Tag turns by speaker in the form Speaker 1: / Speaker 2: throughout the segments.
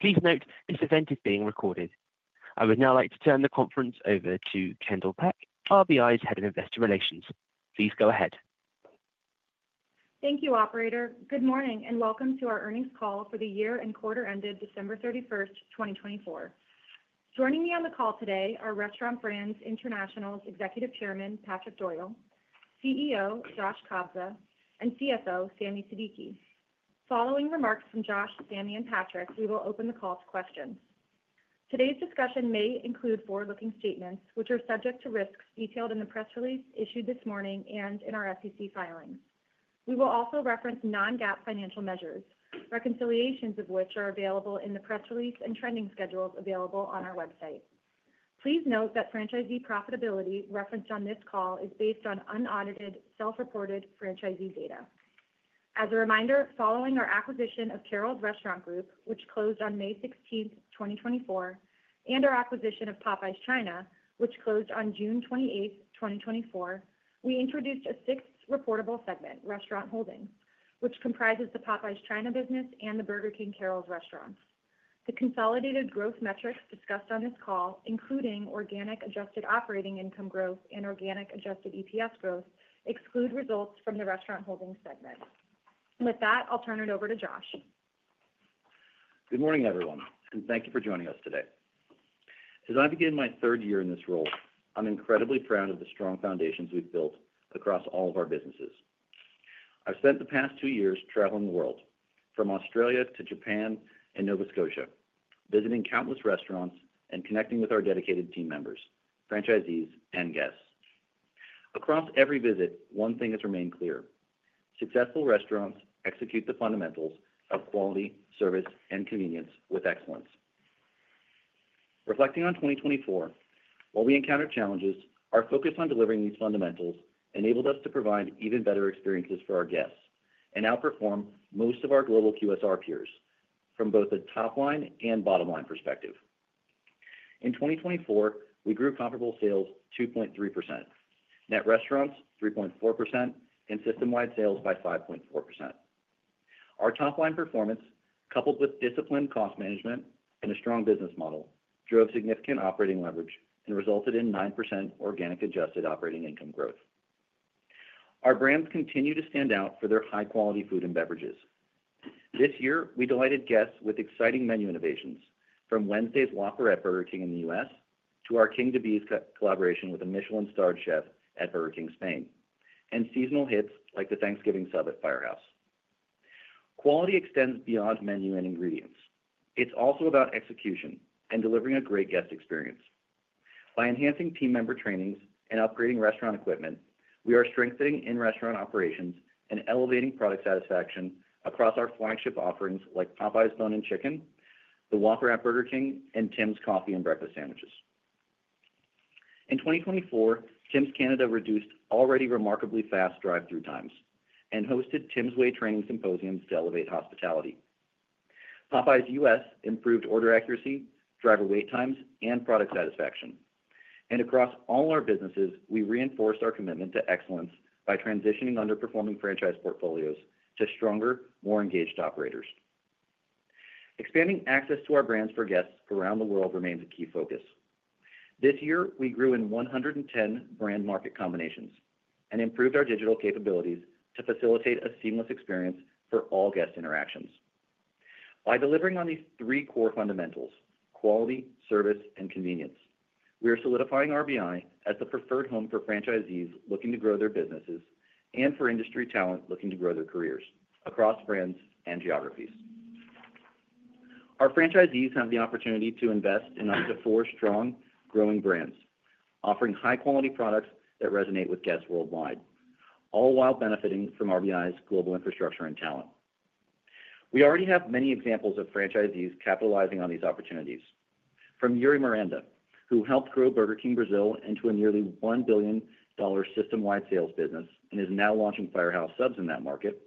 Speaker 1: Please note this event is being recorded. I would now like to turn the conference over to Kendall Peck, RBI's Head of Investor Relations. Please go ahead.
Speaker 2: Thank you, Operator. Good morning and welcome to our earnings call for the year-end quarter ended December 31st, 2024. Joining me on the call today are Restaurant Brands International's Executive Chairman, Patrick Doyle, CEO Josh Kobza, and CFO Sami Siddiqui. Following remarks from Josh, Sami, and Patrick, we will open the call to questions. Today's discussion may include forward-looking statements, which are subject to risks detailed in the press release issued this morning and in our SEC filings. We will also reference non-GAAP financial measures, reconciliations of which are available in the press release and trending schedules available on our website. Please note that franchisee profitability referenced on this call is based on unaudited, self-reported franchisee data. As a reminder, following our acquisition of Carrols Restaurant Group, which closed on May 16th, 2024, and our acquisition of Popeyes China, which closed on June 28th, 2024, we introduced a sixth reportable segment, Restaurant Holdings, which comprises the Popeyes China business and the Burger King Carrols restaurants. The consolidated growth metrics discussed on this call, including organic adjusted operating income growth and organic adjusted EPS growth, exclude results from the Restaurant Holdings segment. With that, I'll turn it over to Josh.
Speaker 3: Good morning, everyone, and thank you for joining us today. As I begin my third year in this role, I'm incredibly proud of the strong foundations we've built across all of our businesses. I've spent the past two years traveling the world, from Australia to Japan and Nova Scotia, visiting countless restaurants and connecting with our dedicated team members, franchisees, and guests. Across every visit, one thing has remained clear: successful restaurants execute the fundamentals of quality, service, and convenience with excellence. Reflecting on 2024, while we encountered challenges, our focus on delivering these fundamentals enabled us to provide even better experiences for our guests and outperform most of our global QSR peers from both a top-line and bottom-line perspective. In 2024, we grew comparable sales 2.3%, net restaurants 3.4%, and system-wide sales by 5.4%. Our top-line performance, coupled with disciplined cost management and a strong business model, drove significant operating leverage and resulted in 9% organic adjusted operating income growth. Our brands continue to stand out for their high-quality food and beverages. This year, we delighted guests with exciting menu innovations, from Wednesday's Whopper at Burger King in the U.S. to our King Dabiz collaboration with a Michelin-starred chef at Burger King Spain, and seasonal hits like the Thanksgiving Sub at Firehouse Subs. Quality extends beyond menu and ingredients. It's also about execution and delivering a great guest experience. By enhancing team member trainings and upgrading restaurant equipment, we are strengthening in-restaurant operations and elevating product satisfaction across our flagship offerings like Popeyes Bone-In Chicken, the Whopper at Burger King, and Tims coffee and breakfast sandwiches. In 2024, Tims Canada reduced already remarkably fast drive-through times and hosted Tims Way training symposiums to elevate hospitality. Popeyes U.S. improved order accuracy, driver wait times, and product satisfaction, and across all our businesses, we reinforced our commitment to excellence by transitioning underperforming franchise portfolios to stronger, more engaged operators. Expanding access to our brands for guests around the world remains a key focus. This year, we grew in 110 brand-market combinations and improved our digital capabilities to facilitate a seamless experience for all guest interactions. By delivering on these three core fundamentals, quality, service, and convenience, we are solidifying RBI as the preferred home for franchisees looking to grow their businesses and for industry talent looking to grow their careers across brands and geographies. Our franchisees have the opportunity to invest in up to four strong, growing brands, offering high-quality products that resonate with guests worldwide, all while benefiting from RBI's global infrastructure and talent. We already have many examples of franchisees capitalizing on these opportunities, from Iuri Miranda, who helped grow Burger King Brazil into a nearly $1 billion system-wide sales business and is now launching Firehouse Subs in that market,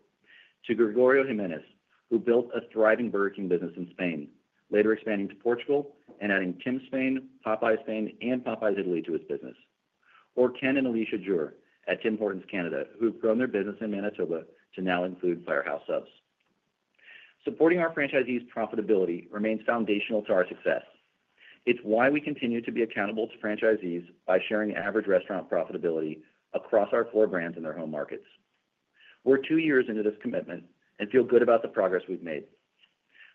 Speaker 3: to Gregorio Jiménez, who built a thriving Burger King business in Spain, later expanding to Portugal and adding Tims Spain, Popeyes Spain, and Popeyes Italy to his business, or Ken and Alicia Jewer at Tim Hortons Canada, who've grown their business in Manitoba to now include Firehouse Subs. Supporting our franchisees' profitability remains foundational to our success. It's why we continue to be accountable to franchisees by sharing average restaurant profitability across our four brands and their home markets. We're two years into this commitment and feel good about the progress we've made.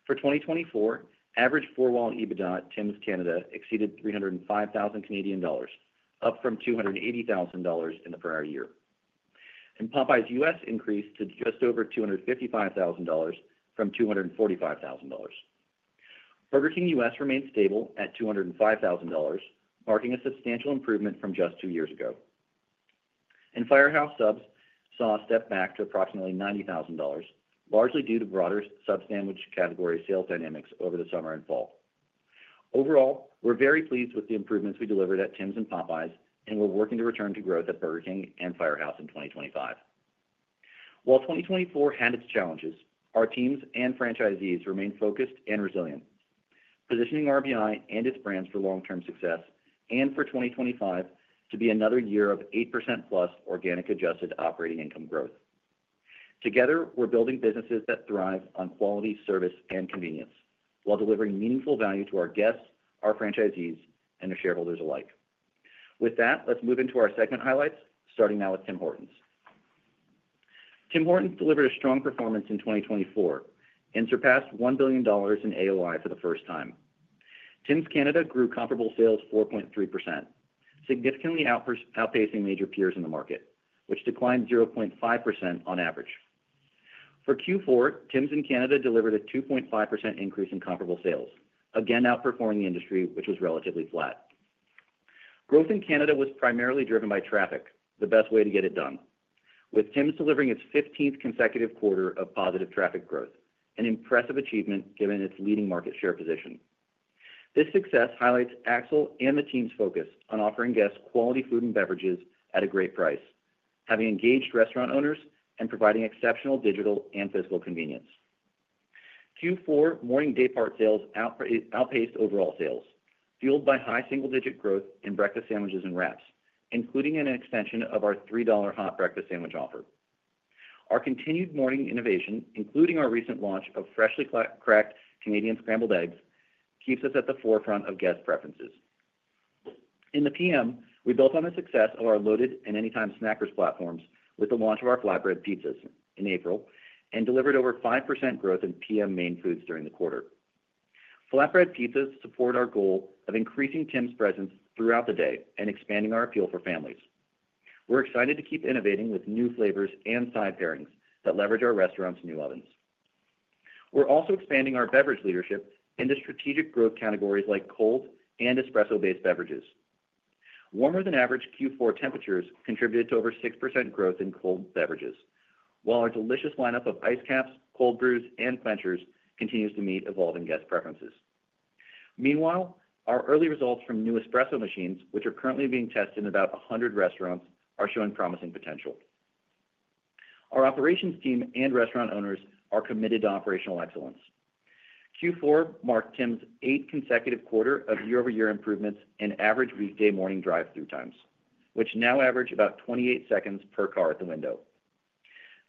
Speaker 3: For 2024, average four-wall EBITDA at Tims Canada exceeded $305,000, up from $280,000 in the prior year. And Popeyes U.S. increased to just over $255,000, from $245,000. Burger King U.S. remained stable at $205,000, marking a substantial improvement from just two years ago. Firehouse Subs saw a step back to approximately $90,000, largely due to broader sub-sandwich category sales dynamics over the summer and fall. Overall, we're very pleased with the improvements we delivered at Tims and Popeyes, and we're working to return to growth at Burger King and Firehouse in 2025. While 2024 had its challenges, our teams and franchisees remained focused and resilient, positioning RBI and its brands for long-term success and for 2025 to be another year of 8%-plus organic adjusted operating income growth. Together, we're building businesses that thrive on quality, service, and convenience while delivering meaningful value to our guests, our franchisees, and the shareholders alike. With that, let's move into our segment highlights, starting now with Tim Hortons. Tim Hortons delivered a strong performance in 2024 and surpassed $1 billion in AOI for the first time. Tims Canada grew comparable sales 4.3%, significantly outpacing major peers in the market, which declined 0.5% on average. For Q4, Tims and Canada delivered a 2.5% increase in comparable sales, again outperforming the industry, which was relatively flat. Growth in Canada was primarily driven by traffic, the best way to get it done, with Tims delivering its 15th consecutive quarter of positive traffic growth, an impressive achievement given its leading market share position. This success highlights Axel and the team's focus on offering guests quality food and beverages at a great price, having engaged restaurant owners and providing exceptional digital and physical convenience. Q4 morning daypart sales outpaced overall sales, fueled by high single-digit growth in breakfast sandwiches and wraps, including an extension of our $3 Hot Breakfast Sandwich offer. Our continued morning innovation, including our recent launch of Freshly Cracked Canadian Scrambled Eggs, keeps us at the forefront of guest preferences. In the PM, we built on the success of our Loaded and Anytime Snackers platforms with the launch of our Flatbread Pizzas in April and delivered over 5% growth in PM main foods during the quarter. Flatbread Pizzas support our goal of increasing Tims presence throughout the day and expanding our appeal for families. We're excited to keep innovating with new flavors and side pairings that leverage our restaurant's new ovens. We're also expanding our beverage leadership into strategic growth categories like cold and espresso-based beverages. Warmer-than-average Q4 temperatures contributed to over 6% growth in cold beverages, while our delicious lineup of Ice Capps, cold brews, and Quenchers continues to meet evolving guest preferences. Meanwhile, our early results from new espresso machines, which are currently being tested in about 100 restaurants, are showing promising potential. Our operations team and restaurant owners are committed to operational excellence. Q4 marked Tims eighth consecutive quarter of year-over-year improvements in average weekday morning drive-through times, which now average about 28 seconds per car at the window.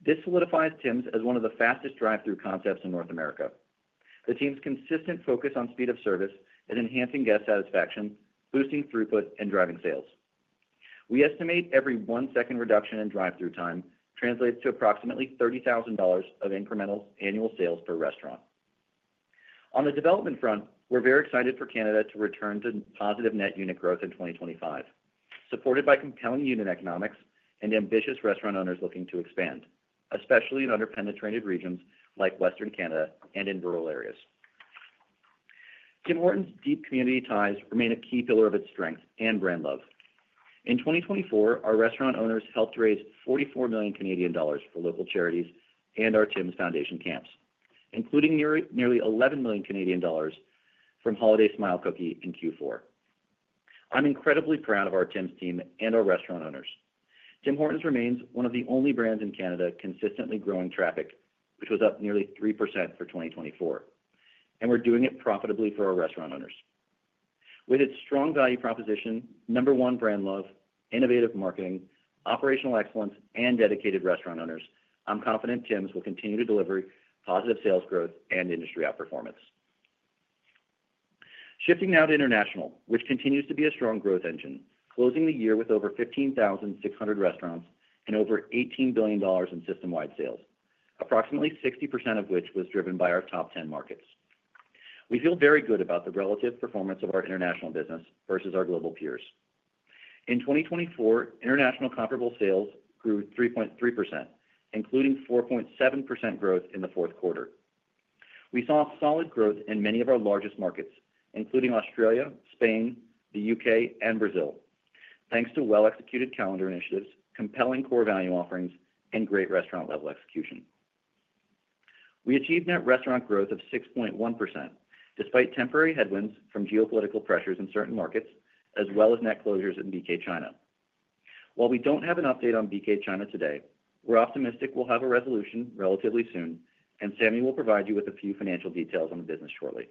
Speaker 3: This solidifies Tims as one of the fastest drive-through concepts in North America. The team's consistent focus on speed of service is enhancing guest satisfaction, boosting throughput, and driving sales. We estimate every one-second reduction in drive-through time translates to approximately $30,000 of incremental annual sales per restaurant. On the development front, we're very excited for Canada to return to positive net unit growth in 2025, supported by compelling unit economics and ambitious restaurant owners looking to expand, especially in under-penetrated regions like Western Canada and in rural areas. Tim Hortons' deep community ties remain a key pillar of its strength and brand love. In 2024, our restaurant owners helped raise $44 million for local charities and our Tims Foundation camps, including nearly $11 million from Holiday Smile Cookie in Q4. I'm incredibly proud of our Tims team and our restaurant owners. Tim Hortons remains one of the only brands in Canada consistently growing traffic, which was up nearly 3% for 2024, and we're doing it profitably for our restaurant owners. With its strong value proposition, number one brand love, innovative marketing, operational excellence, and dedicated restaurant owners, I'm confident Tims will continue to deliver positive sales growth and industry outperformance. Shifting now to international, which continues to be a strong growth engine, closing the year with over 15,600 restaurants and over $18 billion in system-wide sales, approximately 60% of which was driven by our top 10 markets. We feel very good about the relative performance of our international business versus our global peers. In 2024, international comparable sales grew 3.3%, including 4.7% growth in the fourth quarter. We saw solid growth in many of our largest markets, including Australia, Spain, the U.K., and Brazil, thanks to well-executed calendar initiatives, compelling core value offerings, and great restaurant-level execution. We achieved net restaurant growth of 6.1% despite temporary headwinds from geopolitical pressures in certain markets, as well as net closures in BK China. While we don't have an update on BK China today, we're optimistic we'll have a resolution relatively soon, and Sami will provide you with a few financial details on the business shortly.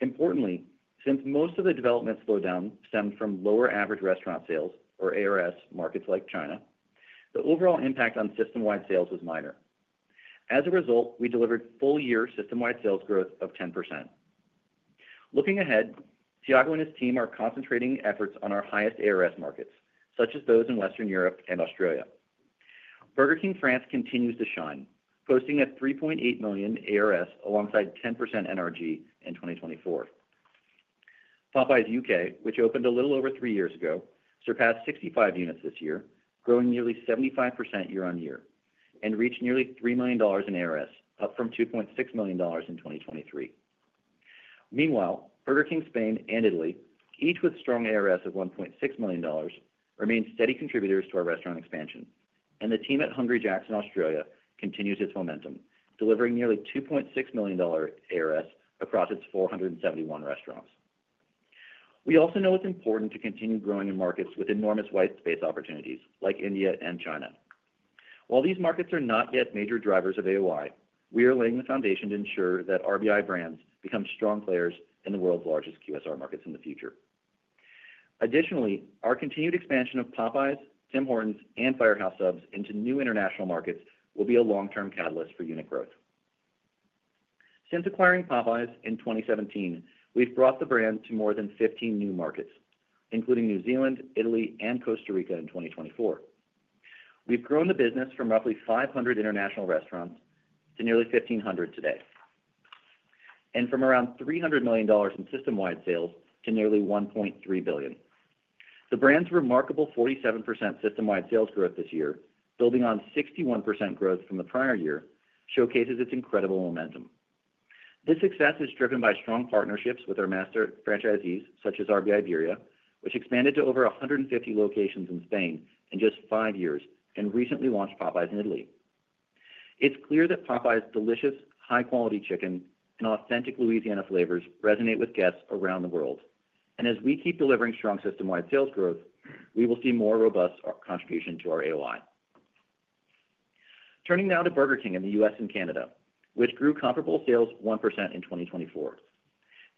Speaker 3: Importantly, since most of the development slowdown stemmed from lower average restaurant sales, or ARS, markets like China, the overall impact on system-wide sales was minor. As a result, we delivered full-year system-wide sales growth of 10%. Looking ahead, Thiago and his team are concentrating efforts on our highest ARS markets, such as those in Western Europe and Australia. Burger King France continues to shine, posting $3.8 million ARS alongside 10% NRG in 2024. Popeyes U.K., which opened a little over three years ago, surpassed 65 units this year, growing nearly 75% year-on-year, and reached nearly $3 million in ARS, up from $2.6 million in 2023. Meanwhile, Burger King Spain and Italy, each with strong ARS of $1.6 million, remain steady contributors to our restaurant expansion, and the team at Hungry Jack's in Australia continues its momentum, delivering nearly $2.6 million ARS across its 471 restaurants. We also know it's important to continue growing in markets with enormous white space opportunities like India and China. While these markets are not yet major drivers of AOI, we are laying the foundation to ensure that RBI brands become strong players in the world's largest QSR markets in the future. Additionally, our continued expansion of Popeyes, Tim Hortons, and Firehouse Subs into new international markets will be a long-term catalyst for unit growth. Since acquiring Popeyes in 2017, we've brought the brand to more than 15 new markets, including New Zealand, Italy, and Costa Rica in 2024. We've grown the business from roughly 500 international restaurants to nearly 1,500 today, and from around $300 million in system-wide sales to nearly $1.3 billion. The brand's remarkable 47% system-wide sales growth this year, building on 61% growth from the prior year, showcases its incredible momentum. This success is driven by strong partnerships with our master franchisees, such as RBI Iberia, which expanded to over 150 locations in Spain in just five years and recently launched Popeyes in Italy. It's clear that Popeyes' delicious, high-quality chicken and authentic Louisiana flavors resonate with guests around the world, and as we keep delivering strong system-wide sales growth, we will see more robust contribution to our AOI. Turning now to Burger King in the U.S. and Canada, which grew comparable sales 1% in 2024.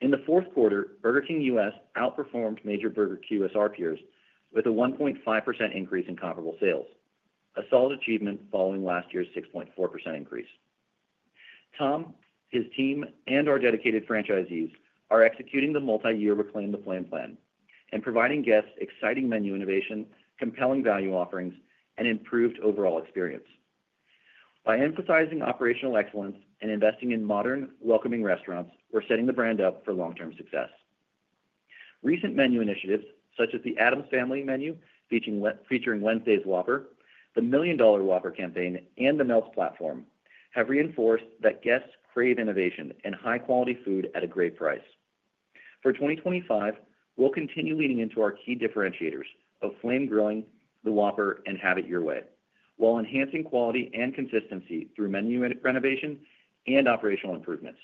Speaker 3: In the fourth quarter, Burger King U.S. outperformed major QSR peers with a 1.5% increase in comparable sales, a solid achievement following last year's 6.4% increase. Tom, his team, and our dedicated franchisees are executing the multi-year Reclaim the Flame plan and providing guests exciting menu innovation, compelling value offerings, and improved overall experience. By emphasizing operational excellence and investing in modern, welcoming restaurants, we're setting the brand up for long-term success. Recent menu initiatives, such as the Addams Family menu featuring Wednesday's Whopper, the Million Dollar Whopper campaign, and the Melts platform, have reinforced that guests crave innovation and high-quality food at a great price. For 2025, we'll continue leaning into our key differentiators of flame grilling, the Whopper, and Have It Your Way, while enhancing quality and consistency through menu renovation and operational improvements.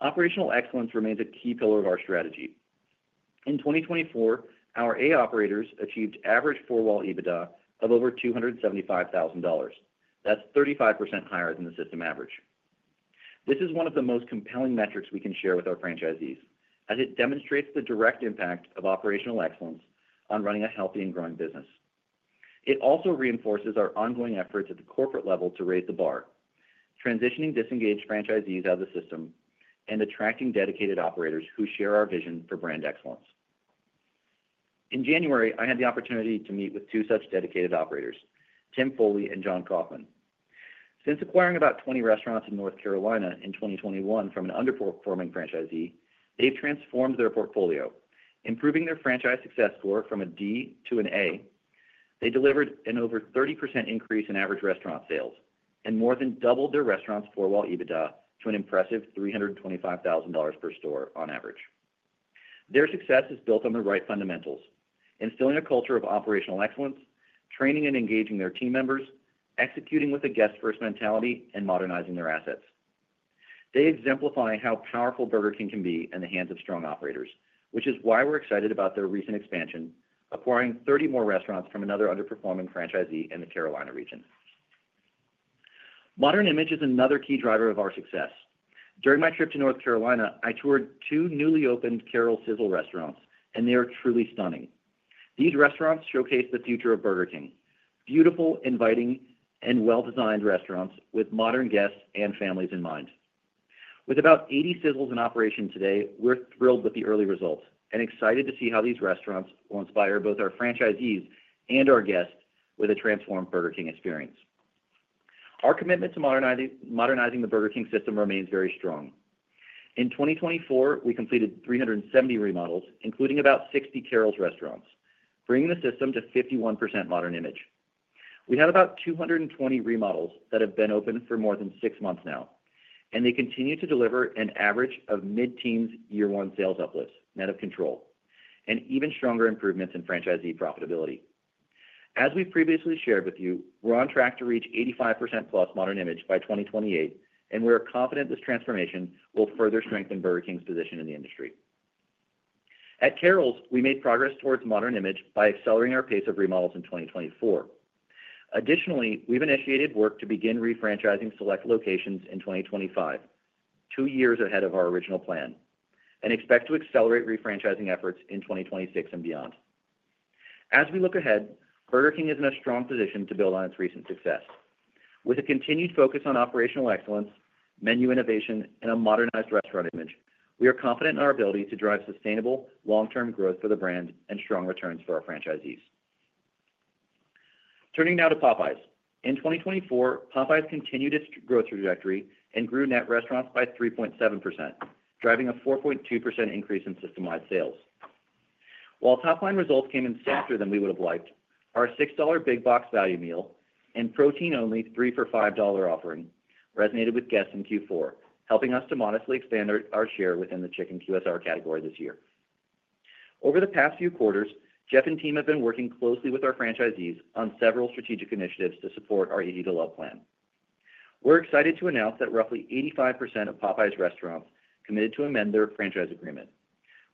Speaker 3: Operational excellence remains a key pillar of our strategy. In 2024, our A operators achieved average four-wall EBITDA of over $275,000. That's 35% higher than the system average. This is one of the most compelling metrics we can share with our franchisees, as it demonstrates the direct impact of operational excellence on running a healthy and growing business. It also reinforces our ongoing efforts at the corporate level to raise the bar, transitioning disengaged franchisees out of the system and attracting dedicated operators who share our vision for brand excellence. In January, I had the opportunity to meet with two such dedicated operators, Tim Foley and Jon Kaufman. Since acquiring about 20 restaurants in North Carolina in 2021 from an underperforming franchisee, they've transformed their portfolio, improving their franchise success score from a D to an A. They delivered an over 30% increase in average restaurant sales and more than doubled their restaurants' four-wall EBITDA to an impressive $325,000 per store on average. Their success is built on the right fundamentals, instilling a culture of operational excellence, training and engaging their team members, executing with a guest-first mentality, and modernizing their assets. They exemplify how powerful Burger King can be in the hands of strong operators, which is why we're excited about their recent expansion, acquiring 30 more restaurants from another underperforming franchisee in the Carolina region. Modern Image is another key driver of our success. During my trip to North Carolina, I toured two newly opened Carrols Sizzle restaurants, and they are truly stunning. These restaurants showcase the future of Burger King: beautiful, inviting, and well-designed restaurants with modern guests and families in mind. With about 80 Sizzles in operation today, we're thrilled with the early results and excited to see how these restaurants will inspire both our franchisees and our guests with a transformed Burger King experience. Our commitment to modernizing the Burger King system remains very strong. In 2024, we completed 370 remodels, including about 60 Carrols restaurants, bringing the system to 51% Modern Image. We have about 220 remodels that have been open for more than six months now, and they continue to deliver an average of mid-teens year-one sales uplifts, net of control, and even stronger improvements in franchisee profitability. As we've previously shared with you, we're on track to reach 85% plus Modern Image by 2028, and we're confident this transformation will further strengthen Burger King's position in the industry. At Carrols, we made progress towards Modern Image by accelerating our pace of remodels in 2024. Additionally, we've initiated work to begin refranchising select locations in 2025, two years ahead of our original plan, and expect to accelerate refranchising efforts in 2026 and beyond. As we look ahead, Burger King is in a strong position to build on its recent success. With a continued focus on operational excellence, menu innovation, and a modernized restaurant image, we are confident in our ability to drive sustainable, long-term growth for the brand and strong returns for our franchisees. Turning now to Popeyes. In 2024, Popeyes continued its growth trajectory and grew net restaurants by 3.7%, driving a 4.2% increase in system-wide sales. While top-line results came in softer than we would have liked, our $6 Big Box value meal and protein-only 3 for $5 offering resonated with guests in Q4, helping us to modestly expand our share within the chicken QSR category this year. Over the past few quarters, Jeff and team have been working closely with our franchisees on several strategic initiatives to support our Easy to Love plan. We're excited to announce that roughly 85% of Popeyes restaurants committed to amend their franchise agreement,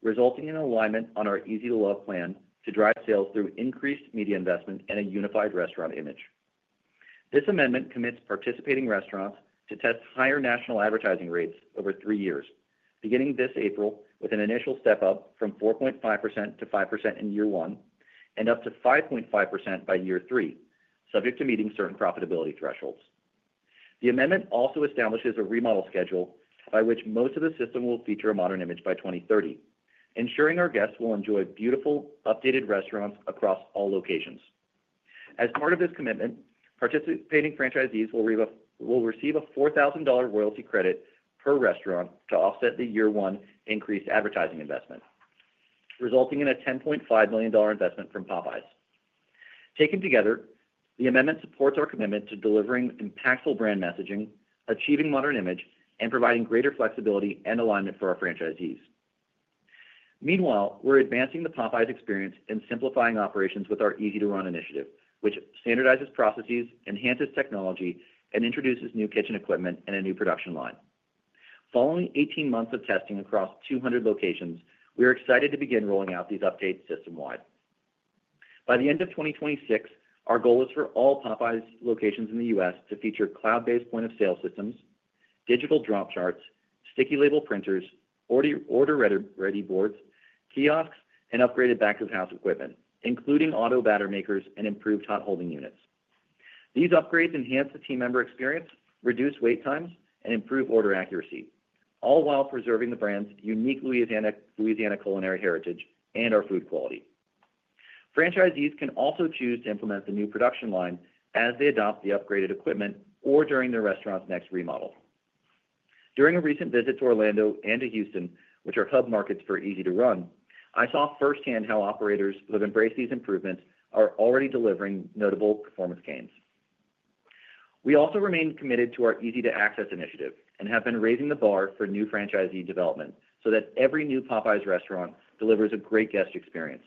Speaker 3: resulting in alignment on our Easy to Love plan to drive sales through increased media investment and a unified restaurant image. This amendment commits participating restaurants to test higher national advertising rates over three years, beginning this April with an initial step-up from 4.5%-5% in year one and up to 5.5% by year three, subject to meeting certain profitability thresholds. The amendment also establishes a remodel schedule by which most of the system will feature a Modern Image by 2030, ensuring our guests will enjoy beautiful, updated restaurants across all locations. As part of this commitment, participating franchisees will receive a $4,000 royalty credit per restaurant to offset the year-one increased advertising investment, resulting in a $10.5 million investment from Popeyes. Taken together, the amendment supports our commitment to delivering impactful brand messaging, achieving Modern Image, and providing greater flexibility and alignment for our franchisees. Meanwhile, we're advancing the Popeyes experience and simplifying operations with our Easy to Run initiative, which standardizes processes, enhances technology, and introduces new kitchen equipment and a new production line. Following 18 months of testing across 200 locations, we are excited to begin rolling out these updates system-wide. By the end of 2026, our goal is for all Popeyes locations in the U.S. to feature cloud-based point-of-sale systems, digital drop charts, sticky label printers, order-ready boards, kiosks, and upgraded back-of-house equipment, including auto batter makers and improved hot holding units. These upgrades enhance the team member experience, reduce wait times, and improve order accuracy, all while preserving the brand's unique Louisiana culinary heritage and our food quality. Franchisees can also choose to implement the new production line as they adopt the upgraded equipment or during their restaurant's next remodel. During a recent visit to Orlando and to Houston, which are hub markets for Easy to Run, I saw firsthand how operators who have embraced these improvements are already delivering notable performance gains. We also remain committed to our Easy to Access initiative and have been raising the bar for new franchisee development so that every new Popeyes restaurant delivers a great guest experience.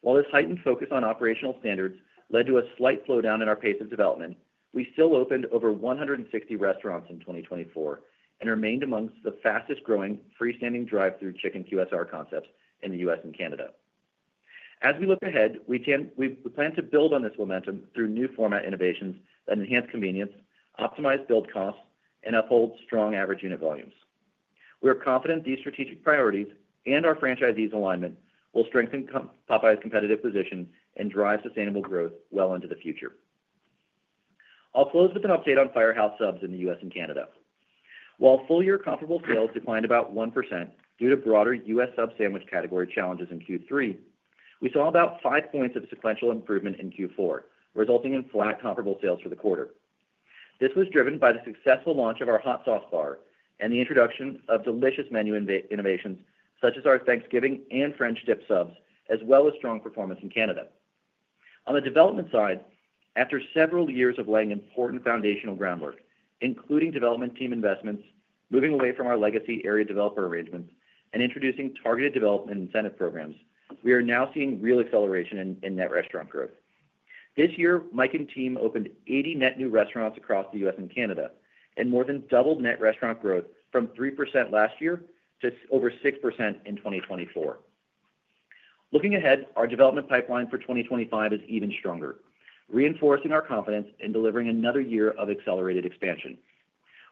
Speaker 3: While this heightened focus on operational standards led to a slight slowdown in our pace of development, we still opened over 160 restaurants in 2024 and remained among the fastest-growing freestanding drive-through chicken QSR concepts in the U.S. and Canada. As we look ahead, we plan to build on this momentum through new format innovations that enhance convenience, optimize build costs, and uphold strong average unit volumes. We are confident these strategic priorities and our franchisees' alignment will strengthen Popeyes' competitive position and drive sustainable growth well into the future. I'll close with an update on Firehouse Subs in the U.S. and Canada. While full-year comparable sales declined about 1% due to broader U.S. sub sandwich category challenges in Q3, we saw about five points of sequential improvement in Q4, resulting in flat comparable sales for the quarter. This was driven by the successful launch of our hot sauce bar and the introduction of delicious menu innovations such as our Thanksgiving and French Dip Subs, as well as strong performance in Canada. On the development side, after several years of laying important foundational groundwork, including development team investments, moving away from our legacy area developer arrangements, and introducing targeted development incentive programs, we are now seeing real acceleration in net restaurant growth. This year, Mike and team opened 80 net new restaurants across the U.S. and Canada and more than doubled net restaurant growth from 3% last year to over 6% in 2024. Looking ahead, our development pipeline for 2025 is even stronger, reinforcing our confidence in delivering another year of accelerated expansion.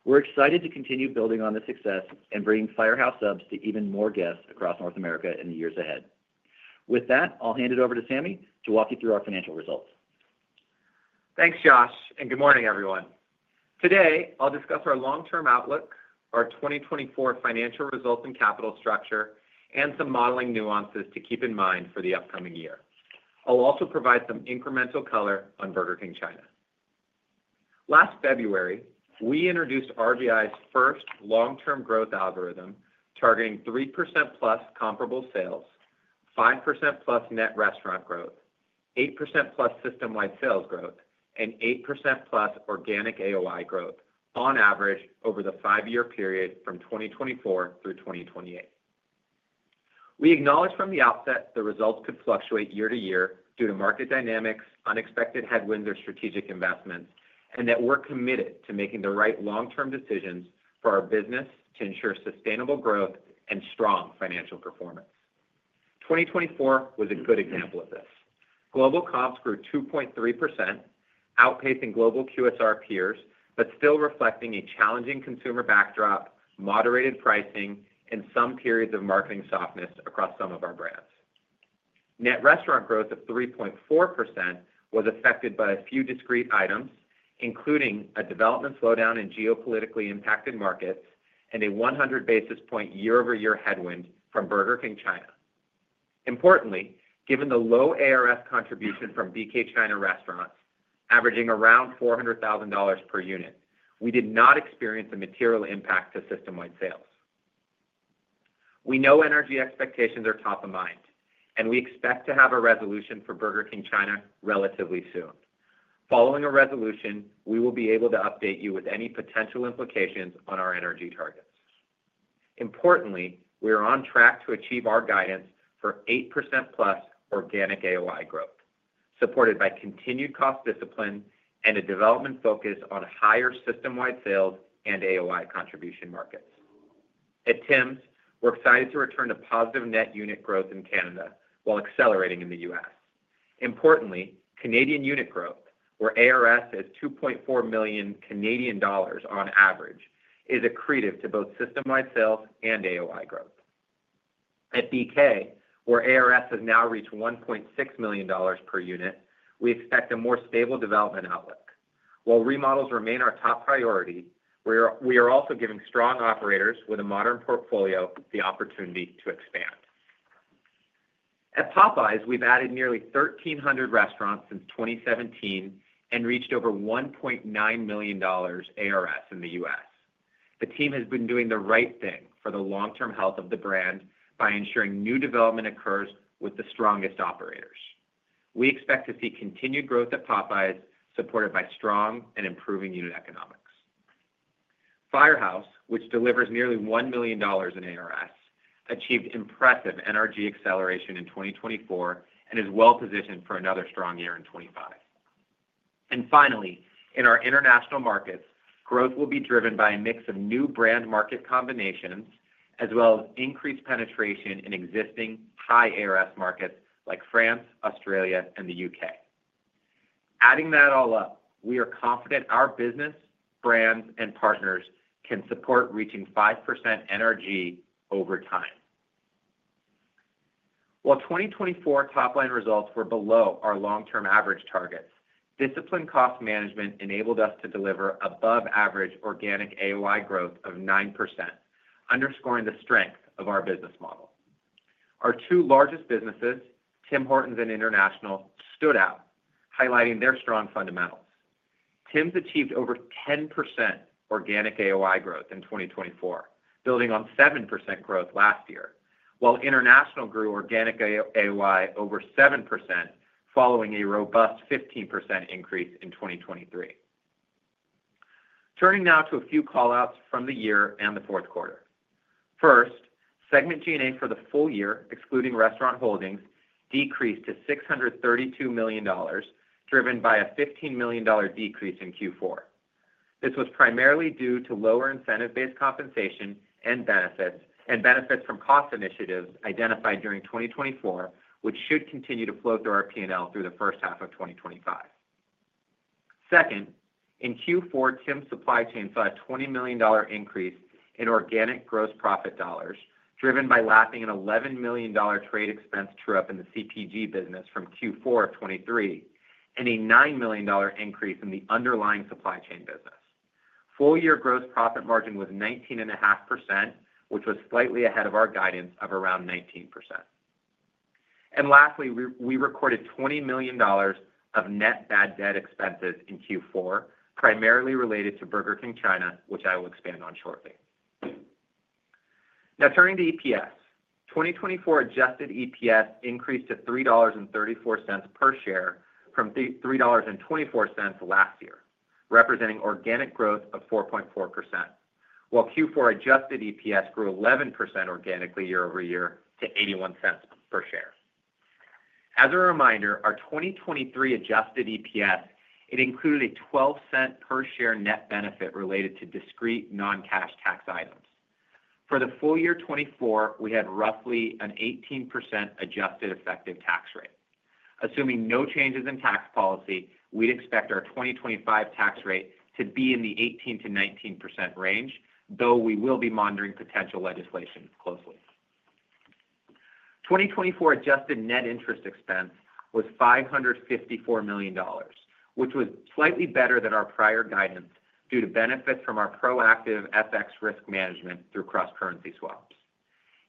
Speaker 3: We're excited to continue building on this success and bringing Firehouse Subs to even more guests across North America in the years ahead. With that, I'll hand it over to Sami to walk you through our financial results.
Speaker 4: Thanks, Josh, and good morning, everyone. Today, I'll discuss our long-term outlook, our 2024 financial results and capital structure, and some modeling nuances to keep in mind for the upcoming year. I'll also provide some incremental color on Burger King China. Last February, we introduced RBI's first long-term growth algorithm targeting 3% plus comparable sales, 5% plus net restaurant growth, 8% plus system-wide sales growth, and 8% plus organic AOI growth on average over the five-year period from 2024 through 2028. We acknowledged from the outset the results could fluctuate year to year due to market dynamics, unexpected headwinds, or strategic investments, and that we're committed to making the right long-term decisions for our business to ensure sustainable growth and strong financial performance. 2024 was a good example of this. Global comps grew 2.3%, outpacing global QSR peers, but still reflecting a challenging consumer backdrop, moderated pricing, and some periods of marketing softness across some of our brands. Net restaurant growth of 3.4% was affected by a few discrete items, including a development slowdown in geopolitically impacted markets and a 100 basis points year-over-year headwind from Burger King China. Importantly, given the low ARS contribution from BK China restaurants, averaging around $400,000 per unit, we did not experience a material impact to system-wide sales. We know NRG expectations are top of mind, and we expect to have a resolution for Burger King China relatively soon. Following a resolution, we will be able to update you with any potential implications on our NRG targets. Importantly, we are on track to achieve our guidance for 8% plus organic AOI growth, supported by continued cost discipline and a development focus on higher system-wide sales and AOI contribution markets. At Tims, we're excited to return to positive net unit growth in Canada while accelerating in the U.S. Importantly, Canadian unit growth, where ARS is 2.4 million Canadian dollars on average, is accretive to both system-wide sales and AOI growth. At BK, where ARS has now reached $1.6 million per unit, we expect a more stable development outlook. While remodels remain our top priority, we are also giving strong operators with a modern portfolio the opportunity to expand. At Popeyes, we've added nearly 1,300 restaurants since 2017 and reached over $1.9 million ARS in the U.S. The team has been doing the right thing for the long-term health of the brand by ensuring new development occurs with the strongest operators. We expect to see continued growth at Popeyes, supported by strong and improving unit economics. Firehouse, which delivers nearly $1 million in ARS, achieved impressive NRG acceleration in 2024 and is well-positioned for another strong year in 2025. And finally, in our international markets, growth will be driven by a mix of new brand market combinations as well as increased penetration in existing high ARS markets like France, Australia, and the U.K. Adding that all up, we are confident our business, brands, and partners can support reaching 5% NRG over time. While 2024 top-line results were below our long-term average targets, disciplined cost management enabled us to deliver above-average organic AOI growth of 9%, underscoring the strength of our business model. Our two largest businesses, Tim Hortons and International, stood out, highlighting their strong fundamentals. Tims achieved over 10% organic AOI growth in 2024, building on 7% growth last year, while International grew organic AOI over 7% following a robust 15% increase in 2023. Turning now to a few callouts from the year and the fourth quarter. First, segment G&A for the full year, excluding Restaurant Holdings, decreased to $632 million, driven by a $15 million decrease in Q4. This was primarily due to lower incentive-based compensation and benefits from cost initiatives identified during 2024, which should continue to flow through our P&L through the first half of 2025. Second, in Q4, Tims supply chain saw a $20 million increase in organic gross profit dollars, driven by lapping an $11 million trade expense true-up in the CPG business from Q4 of 2023 and a $9 million increase in the underlying supply chain business. Full-year gross profit margin was 19.5%, which was slightly ahead of our guidance of around 19%. And lastly, we recorded $20 million of net bad debt expenses in Q4, primarily related to Burger King China, which I will expand on shortly. Now, turning to EPS, 2024 adjusted EPS increased to $3.34 per share from $3.24 last year, representing organic growth of 4.4%, while Q4 adjusted EPS grew 11% organically year over year to $0.81 per share. As a reminder, our 2023 adjusted EPS included a $0.12 per share net benefit related to discrete non-cash tax items. For the full year 2024, we had roughly an 18% adjusted effective tax rate. Assuming no changes in tax policy, we'd expect our 2025 tax rate to be in the 18%-19% range, though we will be monitoring potential legislation closely. 2024 adjusted net interest expense was $554 million, which was slightly better than our prior guidance due to benefits from our proactive FX risk management through cross-currency swaps.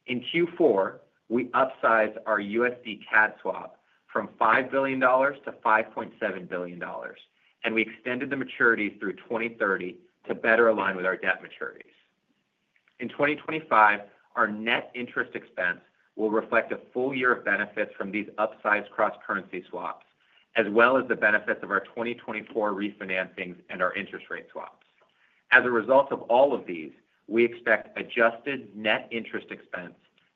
Speaker 4: In Q4, we upsized our USD CAD swap from $5 billion to $5.7 billion, and we extended the maturities through 2030 to better align with our debt maturities. In 2025, our net interest expense will reflect a full year of benefits from these upsized cross-currency swaps, as well as the benefits of our 2024 refinancings and our interest rate swaps. As a result of all of these, we expect adjusted net interest expense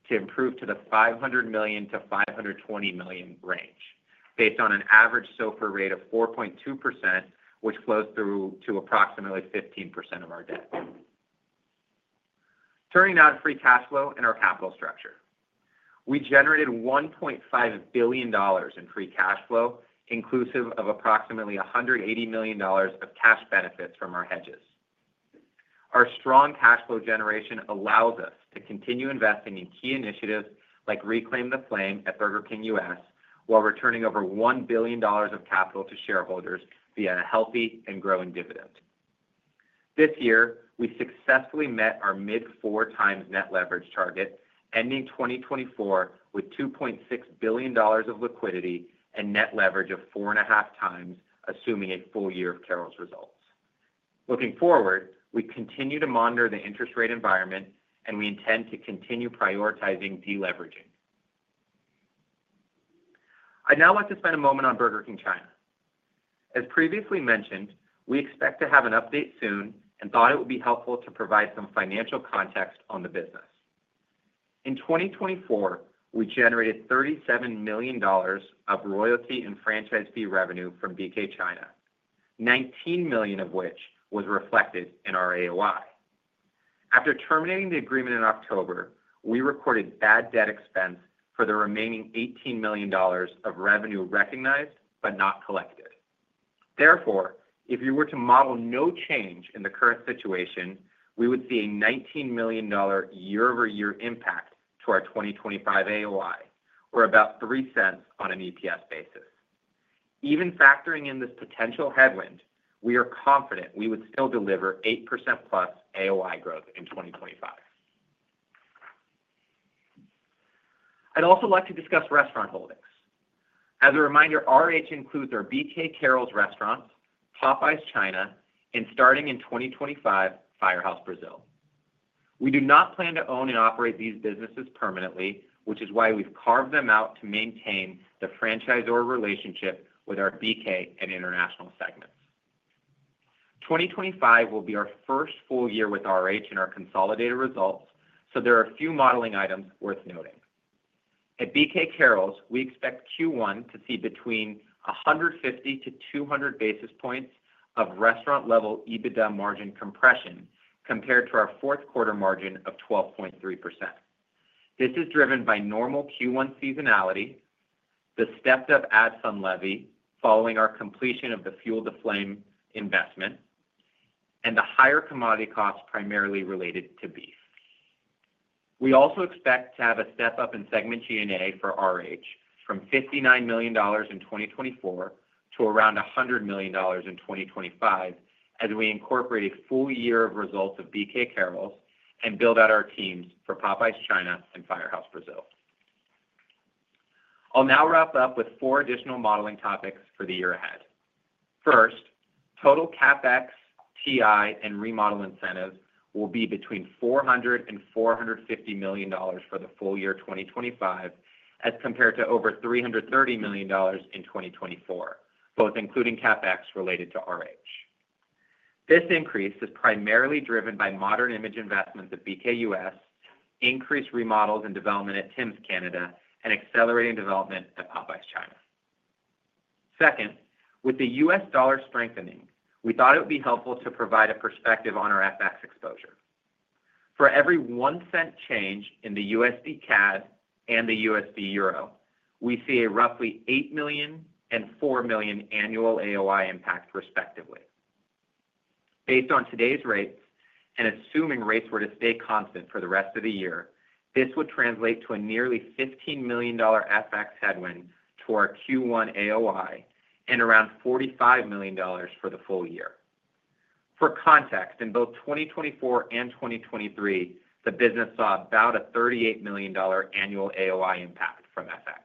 Speaker 4: to improve to the $500 million-$520 million range, based on an average SOFR rate of 4.2%, which flows through to approximately 15% of our debt. Turning now to free cash flow and our capital structure. We generated $1.5 billion in free cash flow, inclusive of approximately $180 million of cash benefits from our hedges. Our strong cash flow generation allows us to continue investing in key initiatives like Reclaim the Flame at Burger King U.S. while returning over $1 billion of capital to shareholders via a healthy and growing dividend. This year, we successfully met our mid-four times net leverage target, ending 2024 with $2.6 billion of liquidity and net leverage of four and a half times, assuming a full year of Carrols results. Looking forward, we continue to monitor the interest rate environment, and we intend to continue prioritizing deleveraging. I'd now like to spend a moment on Burger King China. As previously mentioned, we expect to have an update soon and thought it would be helpful to provide some financial context on the business. In 2024, we generated $37 million of royalty and franchise fee revenue from BK China, $19 million of which was reflected in our AOI. After terminating the agreement in October, we recorded bad debt expense for the remaining $18 million of revenue recognized but not collected. Therefore, if we were to model no change in the current situation, we would see a $19 million year-over-year impact to our 2025 AOI, or about $0.03 on an EPS basis. Even factoring in this potential headwind, we are confident we would still deliver 8% plus AOI growth in 2025. I'd also like to discuss Restaurant Holdings. As a reminder, RH includes our BK Carrols restaurants, Popeyes China, and starting in 2025, Firehouse Brazil. We do not plan to own and operate these businesses permanently, which is why we've carved them out to maintain the franchisor relationship with our BK and international segments. 2025 will be our first full year with RH in our consolidated results, so there are a few modeling items worth noting. At BK Carrols, we expect Q1 to see between 150 to 200 basis points of restaurant-level EBITDA margin compression compared to our fourth quarter margin of 12.3%. This is driven by normal Q1 seasonality, the stepped-up ad fund levy following our completion of the Fuel the Flame investment, and the higher commodity costs primarily related to beef. We also expect to have a step-up in segment G&A for RH from $59 million in 2024 to around $100 million in 2025 as we incorporate a full year of results of BK Carrols and build out our teams for Popeyes China and Firehouse Brazil. I'll now wrap up with four additional modeling topics for the year ahead. First, total CapEx, TI, and remodel incentives will be between $400 and $450 million for the full year 2025 as compared to over $330 million in 2024, both including CapEx related to RH. This increase is primarily driven by Modern Image investments at BK U.S., increased remodels and development at Tims Canada, and accelerating development at Popeyes China. Second, with the U.S. dollar strengthening, we thought it would be helpful to provide a perspective on our FX exposure. For every $0.01 change in the USD CAD and the USD EUR, we see a roughly $8 million and $4 million annual AOI impact, respectively. Based on today's rates, and assuming rates were to stay constant for the rest of the year, this would translate to a nearly $15 million FX headwind to our Q1 AOI and around $45 million for the full year. For context, in both 2024 and 2023, the business saw about a $38 million annual AOI impact from FX.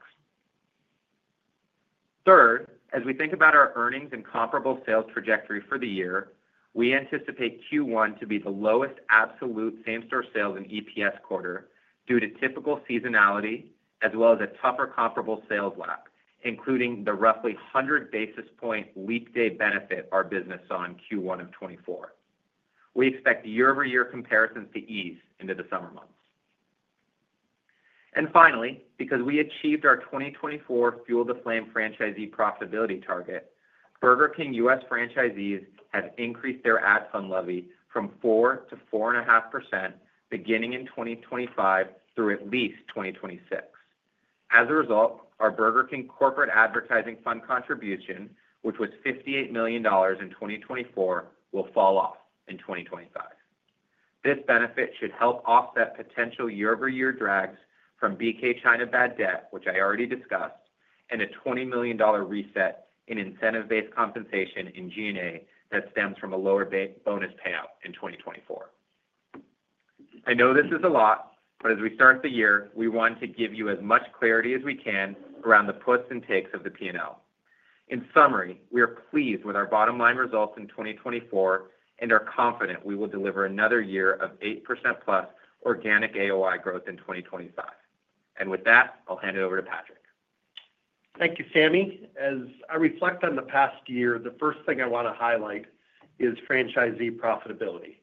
Speaker 4: Third, as we think about our earnings and comparable sales trajectory for the year, we anticipate Q1 to be the lowest absolute same-store sales in EPS quarter due to typical seasonality as well as a tougher comparable sales lapse, including the roughly 100 basis points weekday benefit our business saw in Q1 of 2024. We expect year-over-year comparisons to ease into the summer months. And finally, because we achieved our 2024 Fuel the Flame franchisee profitability target, Burger King U.S. franchisees have increased their ad fund levy from 4%-4.5% beginning in 2025 through at least 2026. As a result, our Burger King Corporate Advertising Fund contribution, which was $58 million in 2024, will fall off in 2025. This benefit should help offset potential year-over-year drags from BK China bad debt, which I already discussed, and a $20 million reset in incentive-based compensation in G&A that stems from a lower bonus payout in 2024. I know this is a lot, but as we start the year, we wanted to give you as much clarity as we can around the puts and takes of the P&L. In summary, we are pleased with our bottom-line results in 2024 and are confident we will deliver another year of 8% plus organic AOI growth in 2025. And with that, I'll hand it over to Patrick.
Speaker 5: Thank you, Sami. As I reflect on the past year, the first thing I want to highlight is franchisee profitability,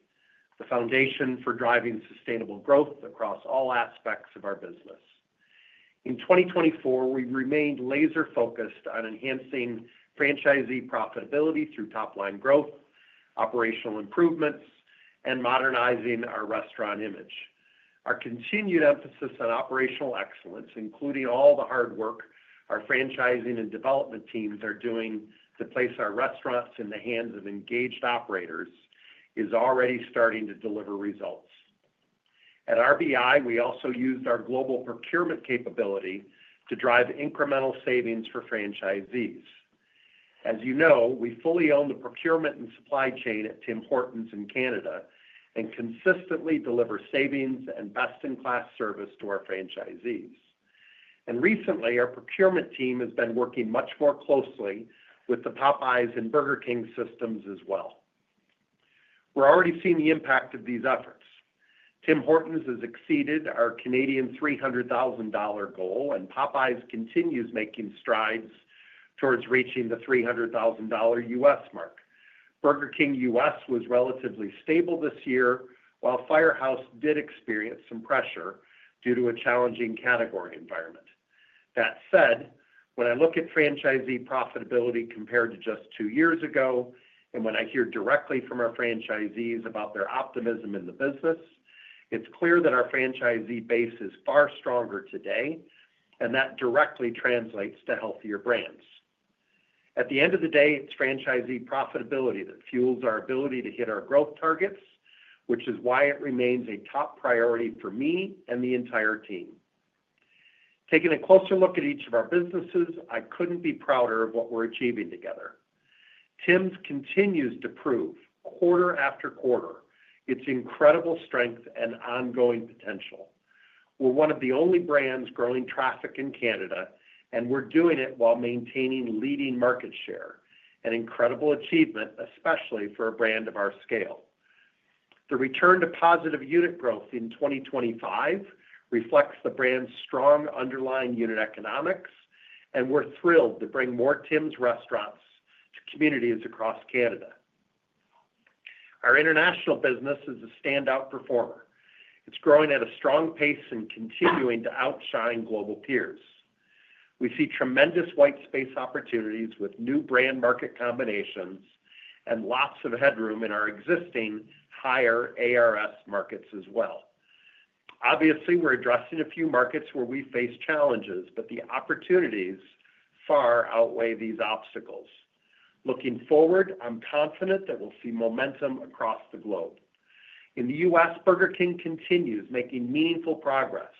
Speaker 5: the foundation for driving sustainable growth across all aspects of our business. In 2024, we remained laser-focused on enhancing franchisee profitability through top-line growth, operational improvements, and modernizing our restaurant image. Our continued emphasis on operational excellence, including all the hard work our franchising and development teams are doing to place our restaurants in the hands of engaged operators, is already starting to deliver results. At RBI, we also used our global procurement capability to drive incremental savings for franchisees. As you know, we fully own the procurement and supply chain at Tim Hortons in Canada and consistently deliver savings and best-in-class service to our franchisees. Recently, our procurement team has been working much more closely with the Popeyes and Burger King systems as well. We're already seeing the impact of these efforts. Tim Hortons has exceeded our 300,000 Canadian dollars goal, and Popeyes continues making strides towards reaching the $300,000 U.S. mark. Burger King U.S. was relatively stable this year, while Firehouse did experience some pressure due to a challenging category environment. That said, when I look at franchisee profitability compared to just two years ago, and when I hear directly from our franchisees about their optimism in the business, it's clear that our franchisee base is far stronger today, and that directly translates to healthier brands. At the end of the day, it's franchisee profitability that fuels our ability to hit our growth targets, which is why it remains a top priority for me and the entire team. Taking a closer look at each of our businesses, I couldn't be prouder of what we're achieving together. Tims continues to prove, quarter after quarter, its incredible strength and ongoing potential. We're one of the only brands growing traffic in Canada, and we're doing it while maintaining leading market share, an incredible achievement, especially for a brand of our scale. The return to positive unit growth in 2025 reflects the brand's strong underlying unit economics, and we're thrilled to bring more Tims restaurants to communities across Canada. Our international business is a standout performer. It's growing at a strong pace and continuing to outshine global peers. We see tremendous white space opportunities with new brand market combinations and lots of headroom in our existing higher ARS markets as well. Obviously, we're addressing a few markets where we face challenges, but the opportunities far outweigh these obstacles. Looking forward, I'm confident that we'll see momentum across the globe. In the U.S., Burger King continues making meaningful progress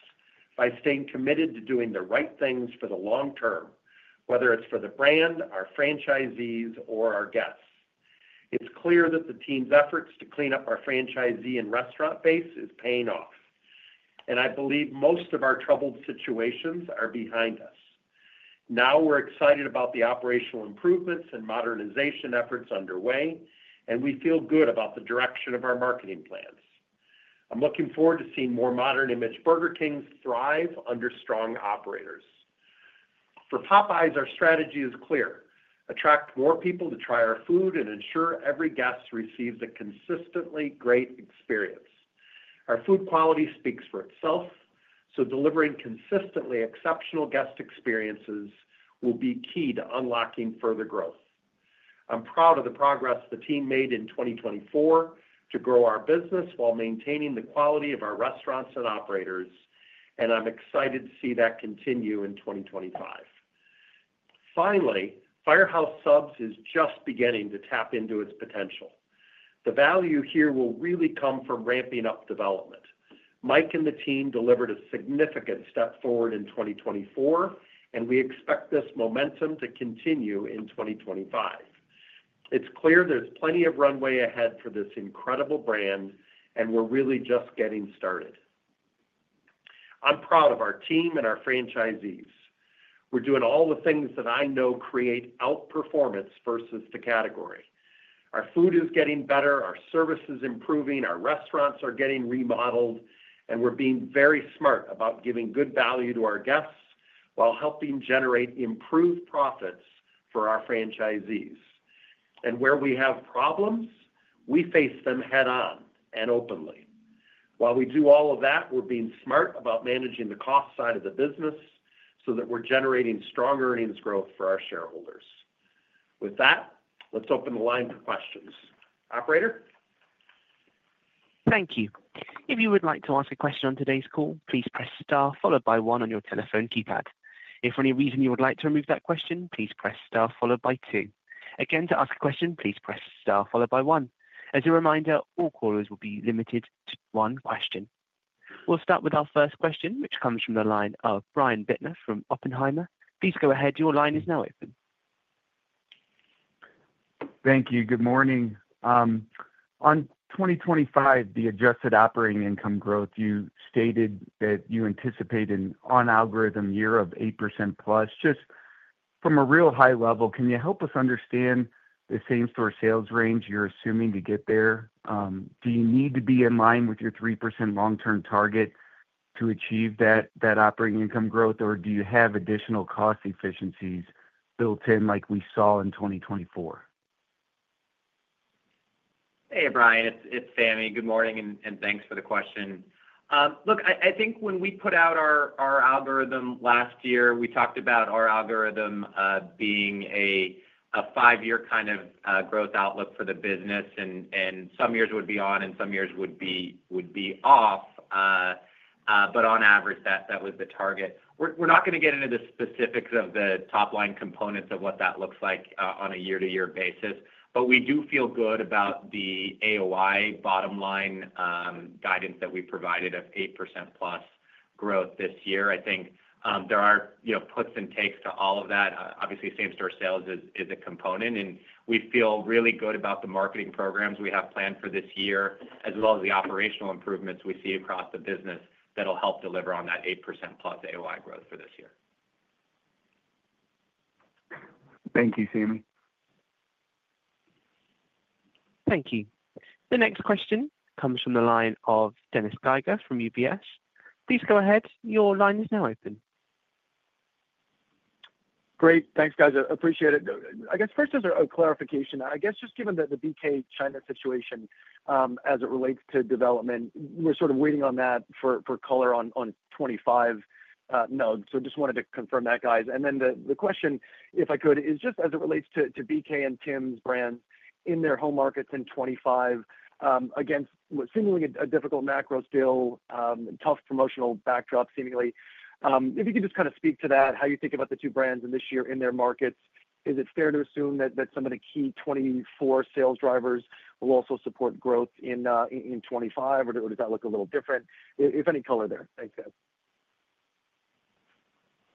Speaker 5: by staying committed to doing the right things for the long term, whether it's for the brand, our franchisees, or our guests. It's clear that the team's efforts to clean up our franchisee and restaurant base is paying off, and I believe most of our troubled situations are behind us. Now we're excited about the operational improvements and modernization efforts underway, and we feel good about the direction of our marketing plans. I'm looking forward to seeing more Modern Image Burger Kings thrive under strong operators. For Popeyes, our strategy is clear: attract more people to try our food and ensure every guest receives a consistently great experience. Our food quality speaks for itself, so delivering consistently exceptional guest experiences will be key to unlocking further growth. I'm proud of the progress the team made in 2024 to grow our business while maintaining the quality of our restaurants and operators, and I'm excited to see that continue in 2025. Finally, Firehouse Subs is just beginning to tap into its potential. The value here will really come from ramping up development. Mike and the team delivered a significant step forward in 2024, and we expect this momentum to continue in 2025. It's clear there's plenty of runway ahead for this incredible brand, and we're really just getting started. I'm proud of our team and our franchisees. We're doing all the things that I know create outperformance versus the category. Our food is getting better, our service is improving, our restaurants are getting remodeled, and we're being very smart about giving good value to our guests while helping generate improved profits for our franchisees. And where we have problems, we face them head-on and openly. While we do all of that, we're being smart about managing the cost side of the business so that we're generating strong earnings growth for our shareholders. With that, let's open the line for questions. Operator?
Speaker 1: Thank you. If you would like to ask a question on today's call, please press star followed by one on your telephone keypad. If for any reason you would like to remove that question, please press star followed by two. Again, to ask a question, please press star followed by one. As a reminder, all callers will be limited to one question. We'll start with our first question, which comes from the line of Brian Bittner from Oppenheimer. Please go ahead. Your line is now open.
Speaker 6: Thank you. Good morning. In 2025, the adjusted operating income growth, you stated that you anticipate an on-algorithm year of 8% plus. Just from a real high level, can you help us understand the same-store sales range you're assuming to get there? Do you need to be in line with your 3% long-term target to achieve that operating income growth, or do you have additional cost efficiencies built in like we saw in 2024?
Speaker 4: Hey, Brian. It's Sami. Good morning and thanks for the question. Look, I think when we put out our algorithm last year, we talked about our algorithm being a five-year kind of growth outlook for the business, and some years would be on and some years would be off. But on average, that was the target. We're not going to get into the specifics of the top-line components of what that looks like on a year-to-year basis, but we do feel good about the AOI bottom-line guidance that we provided of 8% plus growth this year. I think there are puts and takes to all of that. Obviously, same-store sales is a component, and we feel really good about the marketing programs we have planned for this year, as well as the operational improvements we see across the business that'll help deliver on that 8% plus AOI growth for this year.
Speaker 6: Thank you, Sami.
Speaker 1: Thank you. The next question comes from the line of Dennis Geiger from UBS. Please go ahead. Your line is now open.
Speaker 7: Great. Thanks, guys. Appreciate it. I guess first, as a clarification, I guess just given the BK China situation as it relates to development, we're sort of waiting on that for color on 2025 NRG. So I just wanted to confirm that, guys. And then the question, if I could, is just as it relates to BK and Tims brands in their home markets in 2025 against what seemed like a difficult macro still, tough promotional backdrop, seemingly. If you could just kind of speak to that, how you think about the two brands in this year in their markets, is it fair to assume that some of the key 2024 sales drivers will also support growth in 2025, or does that look a little different? If any color there. Thanks, guys.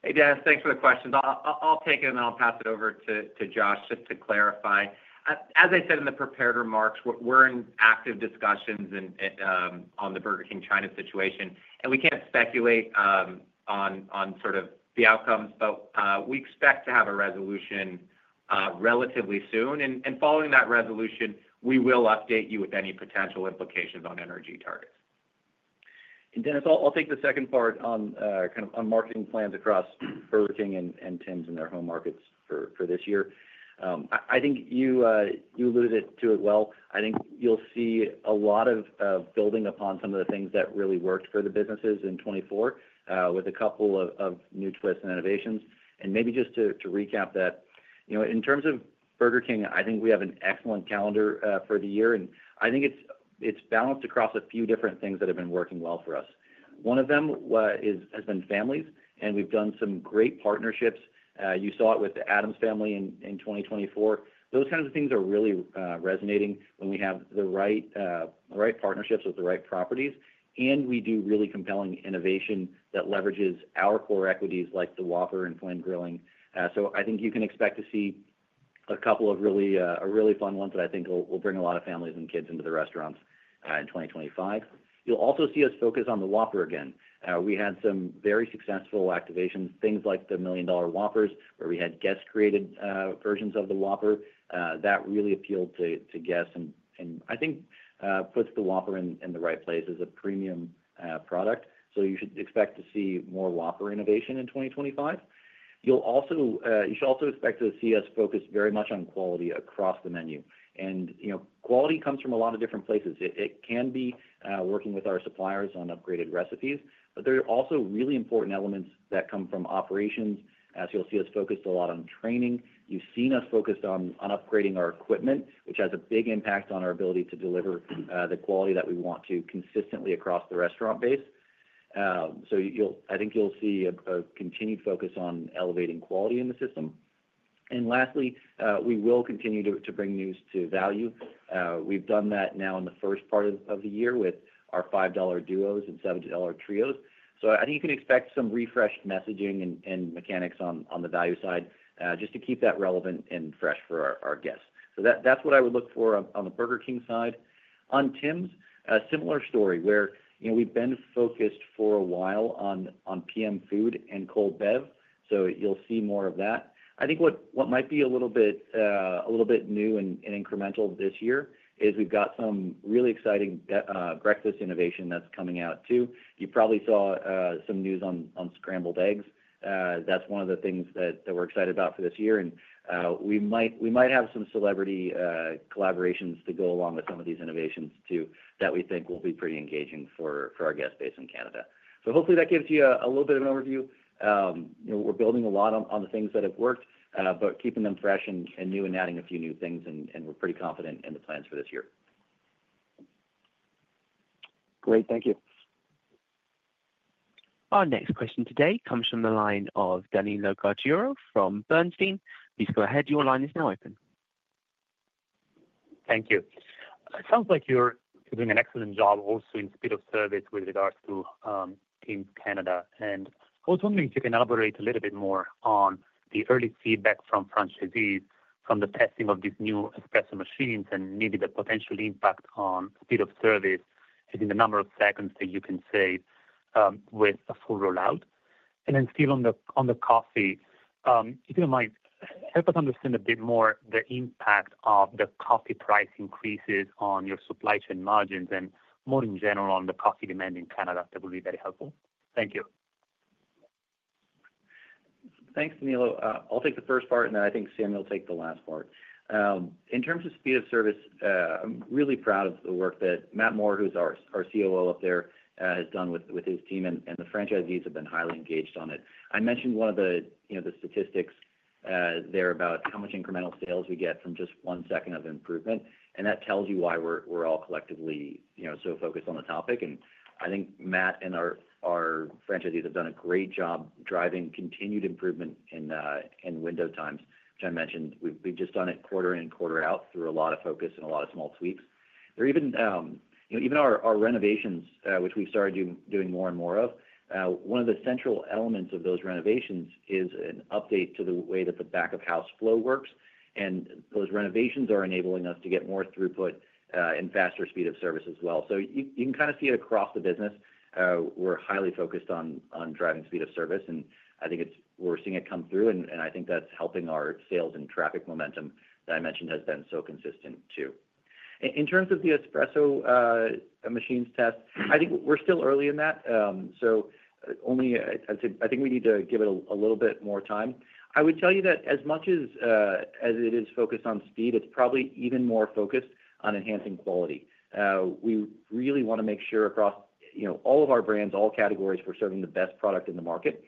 Speaker 5: Hey, Dennis, thanks for the questions. I'll take it, and then I'll pass it over to Josh just to clarify. As I said in the prepared remarks, we're in active discussions on the Burger King China situation, and we can't speculate on sort of the outcomes, but we expect to have a resolution relatively soon, and following that resolution, we will update you with any potential implications on NRG targets.
Speaker 3: Dennis, I'll take the second part on kind of marketing plans across Burger King and Tims in their home markets for this year. I think you alluded to it well. I think you'll see a lot of building upon some of the things that really worked for the businesses in 2024 with a couple of new twists and innovations. Maybe just to recap that, in terms of Burger King, I think we have an excellent calendar for the year, and I think it's balanced across a few different things that have been working well for us. One of them has been families, and we've done some great partnerships. You saw it with the Addams Family in 2024. Those kinds of things are really resonating when we have the right partnerships with the right properties, and we do really compelling innovation that leverages our core equities like the Whopper and flame grilling. So I think you can expect to see a couple of really fun ones that I think will bring a lot of families and kids into the restaurants in 2025. You'll also see us focus on the Whopper again. We had some very successful activations, things like the Million Dollar Whoppers, where we had guest-created versions of the Whopper. That really appealed to guests and I think puts the Whopper in the right place as a premium product. So you should expect to see more Whopper innovation in 2025. You should also expect to see us focus very much on quality across the menu, and quality comes from a lot of different places. It can be working with our suppliers on upgraded recipes, but there are also really important elements that come from operations, so you'll see us focused a lot on training. You've seen us focused on upgrading our equipment, which has a big impact on our ability to deliver the quality that we want to consistently across the restaurant base, so I think you'll see a continued focus on elevating quality in the system, and lastly, we will continue to bring news to value. We've done that now in the first part of the year with our $5 Duos and $7 Trios, so I think you can expect some refreshed messaging and mechanics on the value side just to keep that relevant and fresh for our guests. So that's what I would look for on the Burger King side. On Tims, a similar story where we've been focused for a while on PM food and cold bev. So you'll see more of that. I think what might be a little bit new and incremental this year is we've got some really exciting breakfast innovation that's coming out too. You probably saw some news on scrambled eggs. That's one of the things that we're excited about for this year. And we might have some celebrity collaborations to go along with some of these innovations too that we think will be pretty engaging for our guest base in Canada. So hopefully that gives you a little bit of an overview. We're building a lot on the things that have worked, but keeping them fresh and new and adding a few new things, and we're pretty confident in the plans for this year.
Speaker 7: Great. Thank you.
Speaker 1: Our next question today comes from the line of Danilo Gargiulo from Bernstein. Please go ahead. Your line is now open.
Speaker 8: Thank you. It sounds like you're doing an excellent job also in speed of service with regards to Tims Canada. And I was wondering if you can elaborate a little bit more on the early feedback from franchisees from the testing of these new espresso machines and maybe the potential impact on speed of service and the number of seconds that you can save with a full rollout. Then still on the coffee, if you don't mind, help us understand a bit more the impact of the coffee price increases on your supply chain margins and more in general on the coffee demand in Canada. That would be very helpful. Thank you.
Speaker 3: Thanks, Danilo. I'll take the first part, and then I think Sami will take the last part. In terms of speed of service, I'm really proud of the work that Matt Moore, who's our COO up there, has done with his team, and the franchisees have been highly engaged on it. I mentioned one of the statistics there about how much incremental sales we get from just one second of improvement, and that tells you why we're all collectively so focused on the topic. I think Matt and our franchisees have done a great job driving continued improvement in window times, which I mentioned. We've just done it quarter in and quarter out through a lot of focus and a lot of small tweaks. Even our renovations, which we've started doing more and more of, one of the central elements of those renovations is an update to the way that the back-of-house flow works, and those renovations are enabling us to get more throughput and faster speed of service as well, so you can kind of see it across the business. We're highly focused on driving speed of service, and I think we're seeing it come through, and I think that's helping our sales and traffic momentum that I mentioned has been so consistent too. In terms of the espresso machines test, I think we're still early in that, so I think we need to give it a little bit more time. I would tell you that as much as it is focused on speed, it's probably even more focused on enhancing quality. We really want to make sure across all of our brands, all categories, we're serving the best product in the market.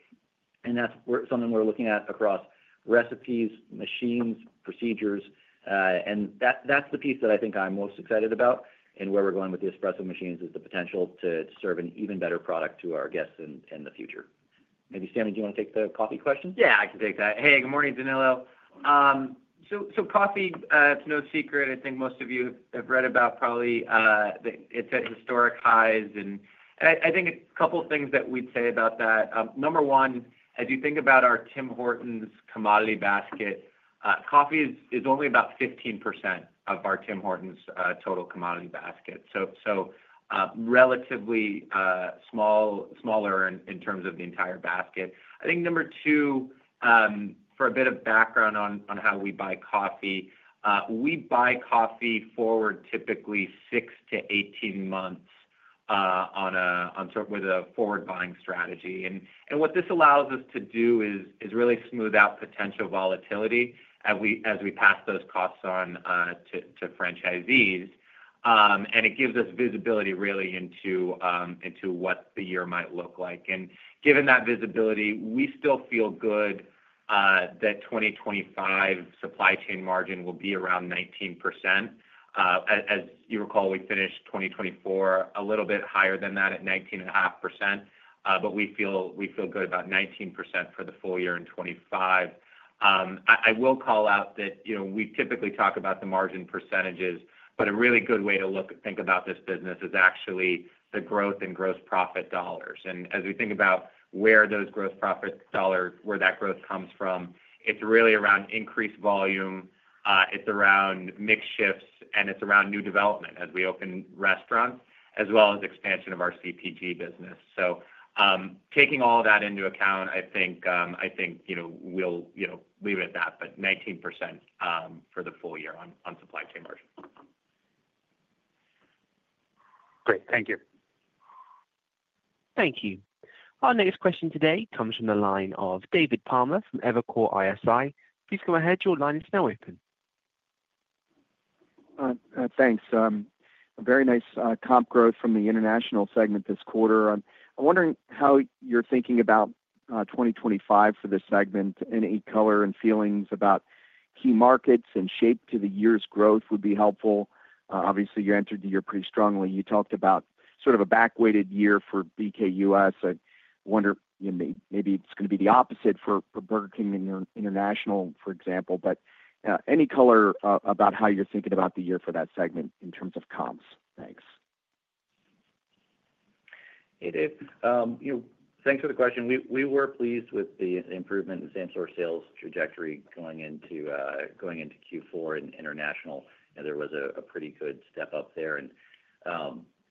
Speaker 3: And that's something we're looking at across recipes, machines, procedures. And that's the piece that I think I'm most excited about and where we're going with the espresso machines is the potential to serve an even better product to our guests in the future. Maybe Sami, do you want to take the coffee question?
Speaker 4: Yeah, I can take that. Hey, good morning, Danilo. So coffee, it's no secret. I think most of you have read about probably it's at historic highs. And I think a couple of things that we'd say about that. Number one, as you think about our Tim Hortons commodity basket, coffee is only about 15% of our Tim Hortons total commodity basket. So relatively smaller in terms of the entire basket. I think number two, for a bit of background on how we buy coffee, we buy coffee forward typically 6 to 18 months with a forward buying strategy. And what this allows us to do is really smooth out potential volatility as we pass those costs on to franchisees. And it gives us visibility really into what the year might look like. And given that visibility, we still feel good that 2025 supply chain margin will be around 19%. As you recall, we finished 2024 a little bit higher than that at 19.5%, but we feel good about 19% for the full year in 2025. I will call out that we typically talk about the margin percentages, but a really good way to think about this business is actually the growth and gross profit dollars, and as we think about where that growth comes from, it's really around increased volume. It's around mixed shifts, and it's around new development as we open restaurants, as well as expansion of our CPG business. So taking all of that into account, I think we'll leave it at that, but 19% for the full year on supply chain margin.
Speaker 8: Great. Thank you.
Speaker 1: Thank you. Our next question today comes from the line of David Palmer from Evercore ISI. Please go ahead. Your line is now open.
Speaker 9: Thanks. Very nice comps growth from the international segment this quarter. I'm wondering how you're thinking about 2025 for this segment and any color and feelings about key markets and shape to the year's growth would be helpful. Obviously, you ended the year pretty strongly. You talked about sort of a back-weighted year for BK US. I wonder maybe it's going to be the opposite for Burger King International, for example, but any color about how you're thinking about the year for that segment in terms of comps? Thanks.
Speaker 5: Hey, Dave. Thanks for the question. We were pleased with the improvement in the same-store sales trajectory going into Q4 in international. There was a pretty good step up there,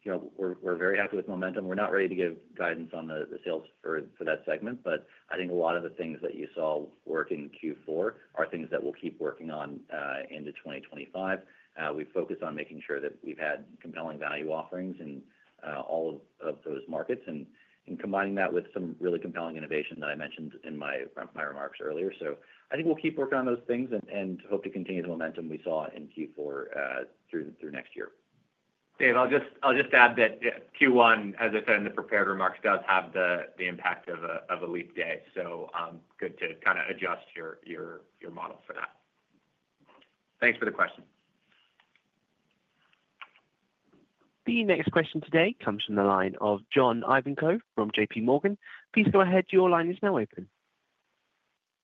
Speaker 5: and we're very happy with momentum. We're not ready to give guidance on the sales for that segment, but I think a lot of the things that you saw work in Q4 are things that we'll keep working on into 2025. We focus on making sure that we've had compelling value offerings in all of those markets and combining that with some really compelling innovation that I mentioned in my remarks earlier. So I think we'll keep working on those things and hope to continue the momentum we saw in Q4 through next year. Dave, I'll just add that Q1, as I said in the prepared remarks, does have the impact of a leap day. So good to kind of adjust your model for that. Thanks for the question.
Speaker 1: The next question today comes from the line of John Ivanko from J.P. Morgan. Please go ahead. Your line is now open.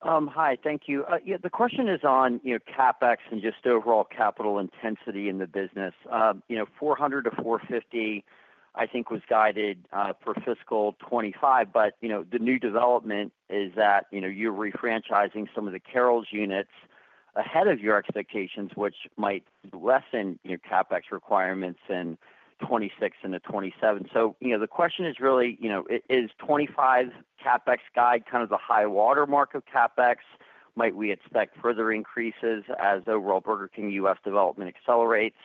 Speaker 10: Hi. Thank you. The question is on CapEx and just overall capital intensity in the business. 400-450, I think, was guided for fiscal 2025, but the new development is that you're refranchising some of the Carrols units ahead of your expectations, which might lessen CapEx requirements in 2026 and 2027. So the question is really, is 2025 CapEx guide kind of the high watermark of CapEx? Might we expect further increases as overall Burger King U.S. development accelerates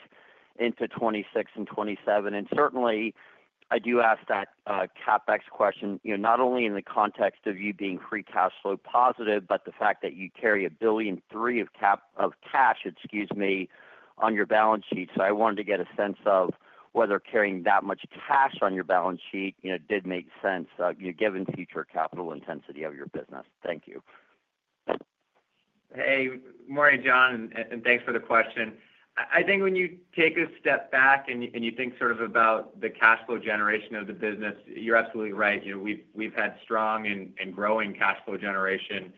Speaker 10: into 2026 and 2027? And certainly, I do ask that CapEx question not only in the context of you being free cash flow positive, but the fact that you carry $1.3 billion of cash, excuse me, on your balance sheet. So I wanted to get a sense of whether carrying that much cash on your balance sheet did make sense given future capital intensity of your business. Thank you.
Speaker 5: Hey, good morning, John, and thanks for the question. I think when you take a step back and you think sort of about the cash flow generation of the business, you're absolutely right. We've had strong and growing cash flow generation,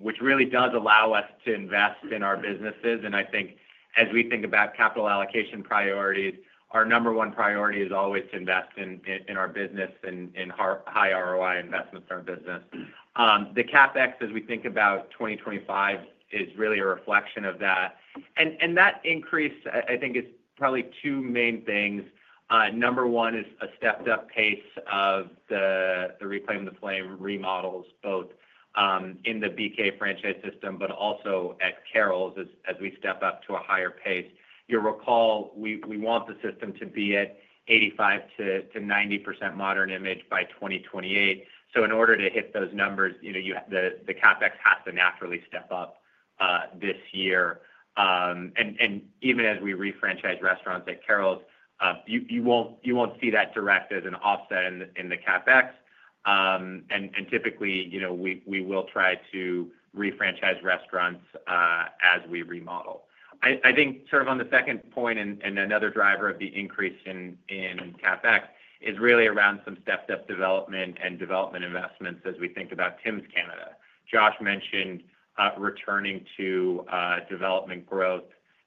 Speaker 5: which really does allow us to invest in our businesses. And I think as we think about capital allocation priorities, our number one priority is always to invest in our business and high ROI investments in our business. The CapEx, as we think about 2025, is really a reflection of that. And that increase, I think, is probably two main things. Number one is a stepped-up pace of the Reclaim the Flame remodels, both in the BK franchise system, but also at Carrols as we step up to a higher pace. You'll recall we want the system to be at 85%-90% Modern Image by 2028. In order to hit those numbers, the CapEx has to naturally step up this year. And even as we refranchise restaurants at Carrols, you won't see that direct as an offset in the CapEx. And typically, we will try to refranchise restaurants as we remodel. I think sort of on the second point, and another driver of the increase in CapEx is really around some stepped-up development and development investments as we think about Tims Canada. Josh mentioned returning to development growth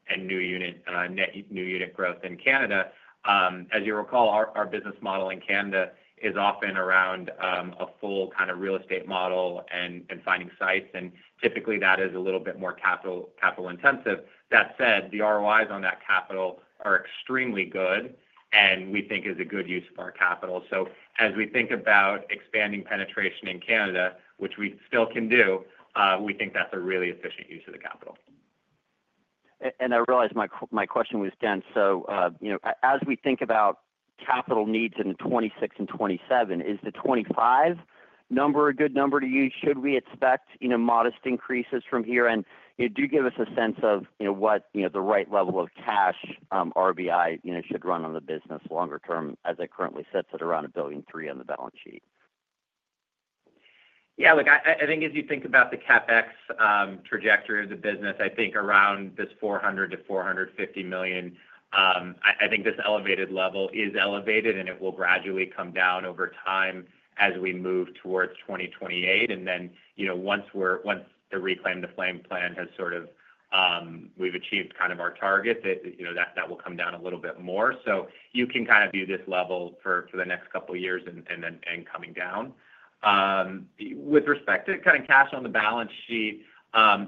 Speaker 5: and new unit growth in Canada. As you recall, our business model in Canada is often around a full kind of real estate model and finding sites. And typically, that is a little bit more capital intensive. That said, the ROIs on that capital are extremely good, and we think is a good use of our capital. As we think about expanding penetration in Canada, which we still can do, we think that's a really efficient use of the capital.
Speaker 10: I realize my question was done. As we think about capital needs in 2026 and 2027, is the 2025 number a good number to use? Should we expect modest increases from here? Do you give us a sense of what the right level of cash RBI should run on the business longer term as it currently sits at around $1.3 billion on the balance sheet?
Speaker 5: Yeah. Look, I think as you think about the CapEx trajectory of the business, I think around this $400 million-$450 million, I think this elevated level is elevated, and it will gradually come down over time as we move towards 2028. Then once the Reclaim the Flame plan has sort of, we've achieved kind of our target, that will come down a little bit more. So you can kind of view this level for the next couple of years and then coming down. With respect to kind of cash on the balance sheet,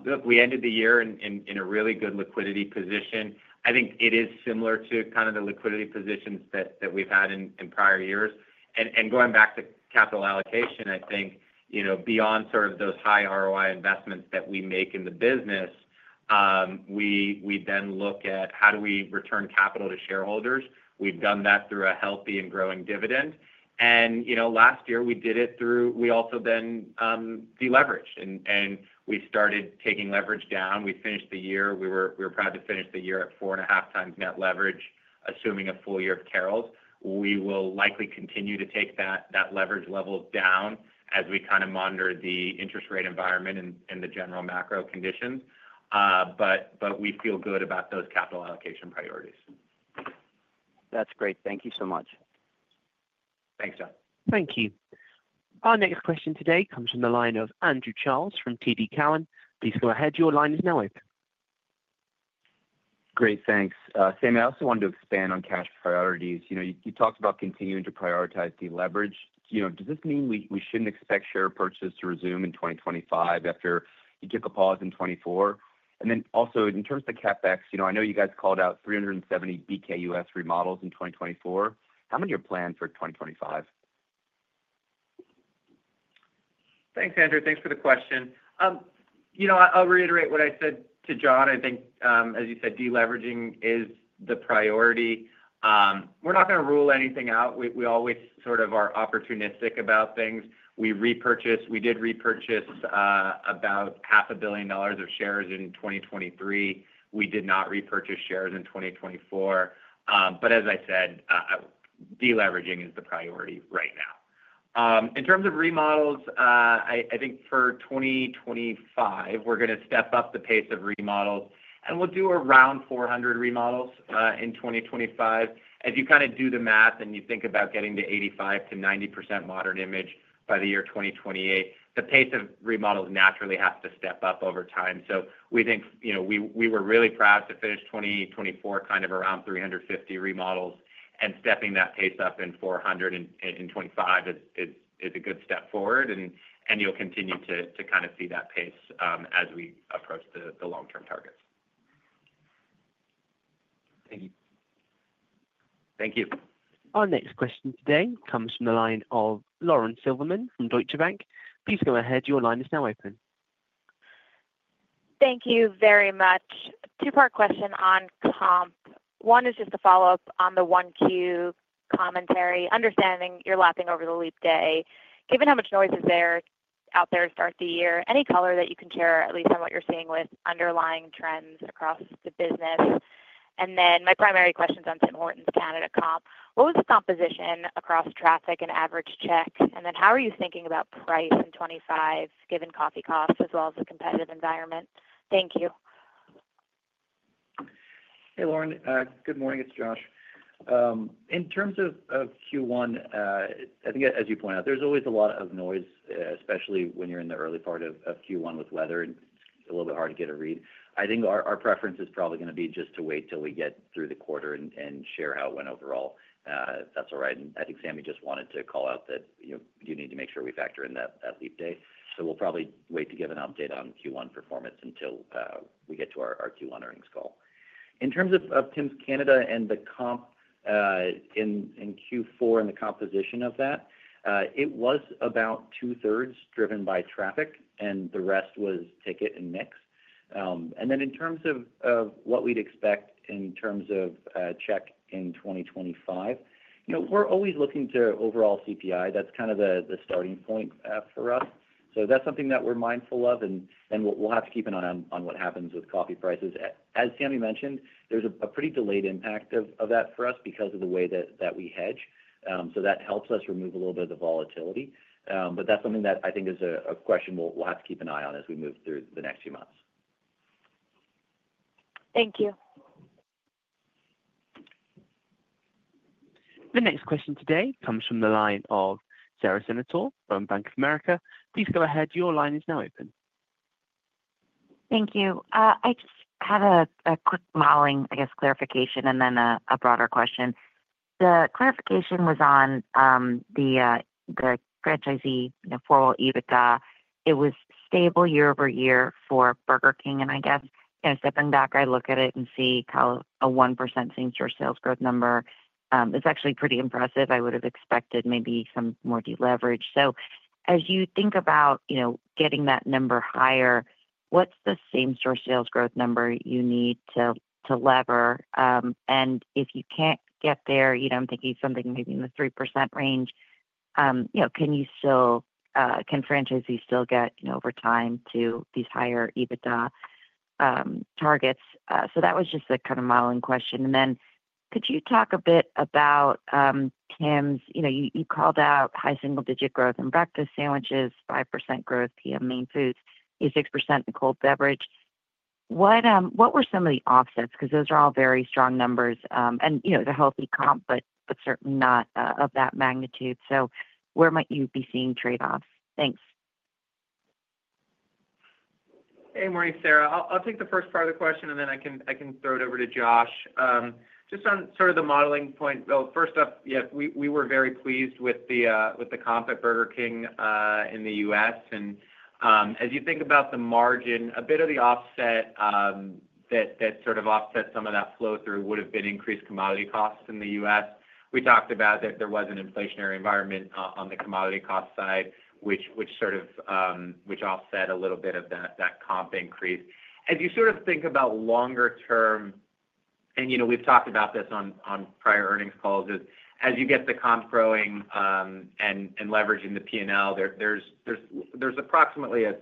Speaker 5: look, we ended the year in a really good liquidity position. I think it is similar to kind of the liquidity positions that we've had in prior years. And going back to capital allocation, I think beyond sort of those high ROI investments that we make in the business, we then look at how do we return capital to shareholders. We've done that through a healthy and growing dividend. And last year, we did it through, we also then deleveraged, and we started taking leverage down. We finished the year. We were proud to finish the year at four and a half times net leverage, assuming a full year of Carrols. We will likely continue to take that leverage level down as we kind of monitor the interest rate environment and the general macro conditions. But we feel good about those capital allocation priorities.
Speaker 10: That's great. Thank you so much.
Speaker 4: Thanks, John.
Speaker 1: Thank you. Our next question today comes from the line of Andrew Charles from TD Cowen. Please go ahead. Your line is now open.
Speaker 11: Great. Thanks. Sami, I also wanted to expand on cash priorities. You talked about continuing to prioritize deleverage. Does this mean we shouldn't expect share purchases to resume in 2025 after you took a pause in 2024? And then also, in terms of the CapEx, I know you guys called out 370 BK US remodels in 2024. How many are planned for 2025?
Speaker 4: Thanks, Andrew. Thanks for the question. I'll reiterate what I said to John. I think, as you said, deleveraging is the priority. We're not going to rule anything out. We always sort of are opportunistic about things. We did repurchase about $500 million of shares in 2023. We did not repurchase shares in 2024. But as I said, deleveraging is the priority right now. In terms of remodels, I think for 2025, we're going to step up the pace of remodels. And we'll do around 400 remodels in 2025. As you kind of do the math and you think about getting to 85%-90% Modern Image by the year 2028, the pace of remodels naturally has to step up over time. So we think we were really proud to finish 2024 kind of around 350 remodels. Stepping that pace up in 400 in 2025 is a good step forward. You'll continue to kind of see that pace as we approach the long-term targets. Thank you.
Speaker 11: Thank you.
Speaker 1: Our next question today comes from the line of Lauren Silverman from Deutsche Bank. Please go ahead. Your line is now open.
Speaker 12: Thank you very much. Two-part question on comp. One is just a follow-up on the 1Q commentary. Understanding you're lapping over the leap day. Given how much noise is there out there to start the year, any color that you can share, at least on what you're seeing with underlying trends across the business? And then my primary question is on Tim Hortons Canada comp. What was the composition across traffic and average check? And then how are you thinking about price in 2025 given coffee costs as well as the competitive environment? Thank you.
Speaker 3: Hey, Lauren. Good morning. It's Josh. In terms of Q1, I think, as you point out, there's always a lot of noise, especially when you're in the early part of Q1 with weather. It's a little bit hard to get a read. I think our preference is probably going to be just to wait till we get through the quarter and share how it went overall. That's all right. And I think Sami just wanted to call out that you need to make sure we factor in that leap day. So we'll probably wait to give an update on Q1 performance until we get to our Q1 earnings call. In terms of Tims Canada and the comp in Q4 and the composition of that, it was about two-thirds driven by traffic, and the rest was ticket and mix. And then in terms of what we'd expect in terms of check in 2025, we're always looking to overall CPI. That's kind of the starting point for us. So that's something that we're mindful of, and we'll have to keep an eye on what happens with coffee prices. As Sami mentioned, there's a pretty delayed impact of that for us because of the way that we hedge. So that helps us remove a little bit of the volatility. But that's something that I think is a question we'll have to keep an eye on as we move through the next few months.
Speaker 12: Thank you.
Speaker 1: The next question today comes from the line of Sara Senatore from Bank of America. Please go ahead. Your line is now open.
Speaker 13: Thank you. I just had a quick modeling, I guess, clarification and then a broader question. The clarification was on the franchisee four-wall EBIT. It was stable year over year for Burger King, and I guess stepping back, I look at it and see how a 1% same-store sales growth number is actually pretty impressive. I would have expected maybe some more deleverage. So as you think about getting that number higher, what's the same-store sales growth number you need to lever? And if you can't get there, I'm thinking something maybe in the 3% range, can franchisees still get over time to these higher EBITDA targets? So that was just the kind of modeling question. And then could you talk a bit about Tims? You called out high single-digit growth in breakfast sandwiches, 5% growth PM main foods, 86% in cold beverage. What were some of the offsets? Because those are all very strong numbers and the healthy comp, but certainly not of that magnitude. So where might you be seeing trade-offs? Thanks.
Speaker 4: Hey, morning, Sara. I'll take the first part of the question, and then I can throw it over to Josh. Just on sort of the modeling point, well, first up, yeah, we were very pleased with the comp at Burger King in the U.S., and as you think about the margin, a bit of the offset that sort of offsets some of that flow through would have been increased commodity costs in the U.S. We talked about, there was an inflationary environment on the commodity cost side, which sort of offset a little bit of that comp increase. As you sort of think about longer term, and we've talked about this on prior earnings calls, as you get the comp growing and leveraging the P&L, there's approximately a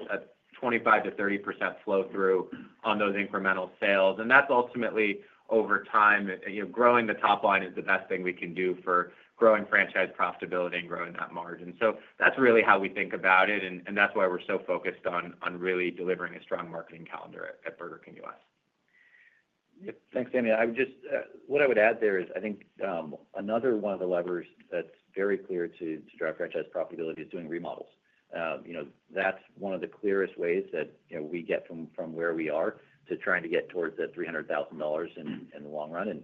Speaker 4: 25%-30% flow through on those incremental sales. And that's ultimately over time. Growing the top line is the best thing we can do for growing franchise profitability and growing that margin. So that's really how we think about it, and that's why we're so focused on really delivering a strong marketing calendar at Burger King U.S.
Speaker 3: Yep. Thanks, Sami. What I would add there is I think another one of the levers that's very clear to drive franchise profitability is doing remodels. That's one of the clearest ways that we get from where we are to trying to get towards that $300,000 in the long run. And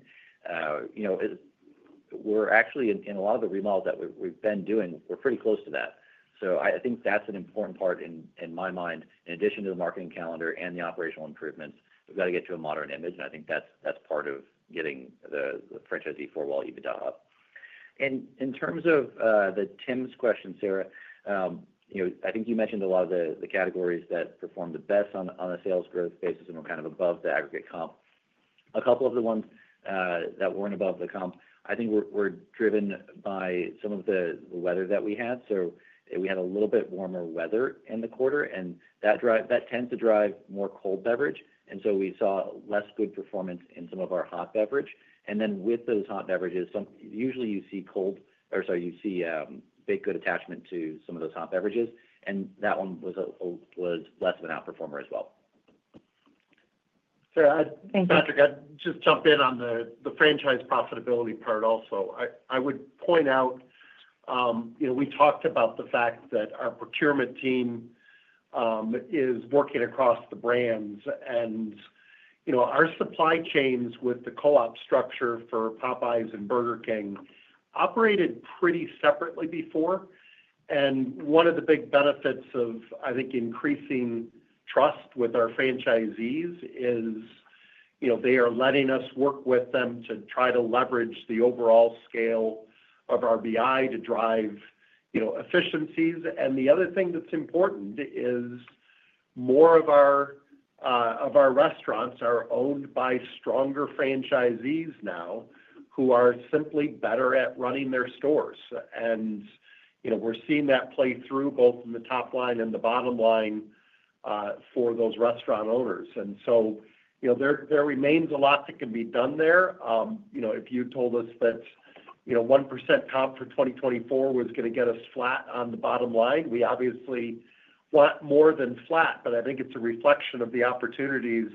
Speaker 3: we're actually, in a lot of the remodels that we've been doing, we're pretty close to that. So I think that's an important part in my mind. In addition to the marketing calendar and the operational improvements, we've got to get to a Modern Image. I think that's part of getting the franchisee four-wall EBIT up. In terms of Tims question, Sara, I think you mentioned a lot of the categories that performed the best on a sales growth basis and were kind of above the aggregate comp. A couple of the ones that weren't above the comp, I think were driven by some of the weather that we had. We had a little bit warmer weather in the quarter, and that tends to drive more cold beverage. We saw less good performance in some of our hot beverage. With those hot beverages, usually you see cold or sorry, you see baked good attachment to some of those hot beverages. That one was less of an outperformer as well.
Speaker 13: Thank you.
Speaker 5: Patrick, I'd just jump in on the franchise profitability part also. I would point out we talked about the fact that our procurement team is working across the brands, and our supply chains with the co-op structure for Popeyes and Burger King operated pretty separately before, and one of the big benefits of, I think, increasing trust with our franchisees is they are letting us work with them to try to leverage the overall scale of RBI to drive efficiencies, and the other thing that's important is more of our restaurants are owned by stronger franchisees now who are simply better at running their stores, and we're seeing that play through both in the top line and the bottom line for those restaurant owners, and so there remains a lot that can be done there. If you told us that 1% comp for 2024 was going to get us flat on the bottom line, we obviously want more than flat, but I think it's a reflection of the opportunities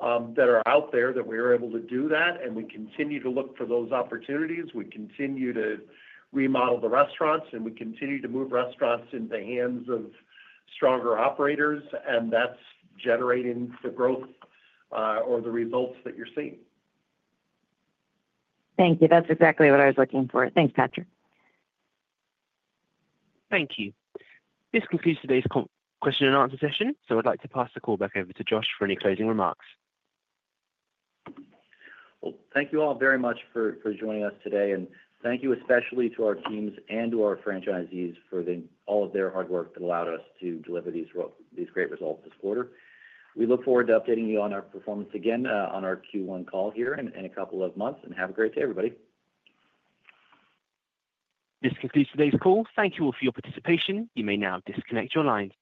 Speaker 5: that are out there that we are able to do that. And we continue to look for those opportunities. We continue to remodel the restaurants, and we continue to move restaurants into the hands of stronger operators. And that's generating the growth or the results that you're seeing.
Speaker 13: Thank you. That's exactly what I was looking for. Thanks, Patrick.
Speaker 1: Thank you. This concludes today's question and answer session. So I'd like to pass the call back over to Josh for any closing remarks.
Speaker 3: Well, thank you all very much for joining us today. And thank you especially to our teams and to our franchisees for all of their hard work that allowed us to deliver these great results this quarter. We look forward to updating you on our performance again on our Q1 call here in a couple of months. And have a great day, everybody.
Speaker 1: This concludes today's call. Thank you all for your participation. You may now disconnect your lines.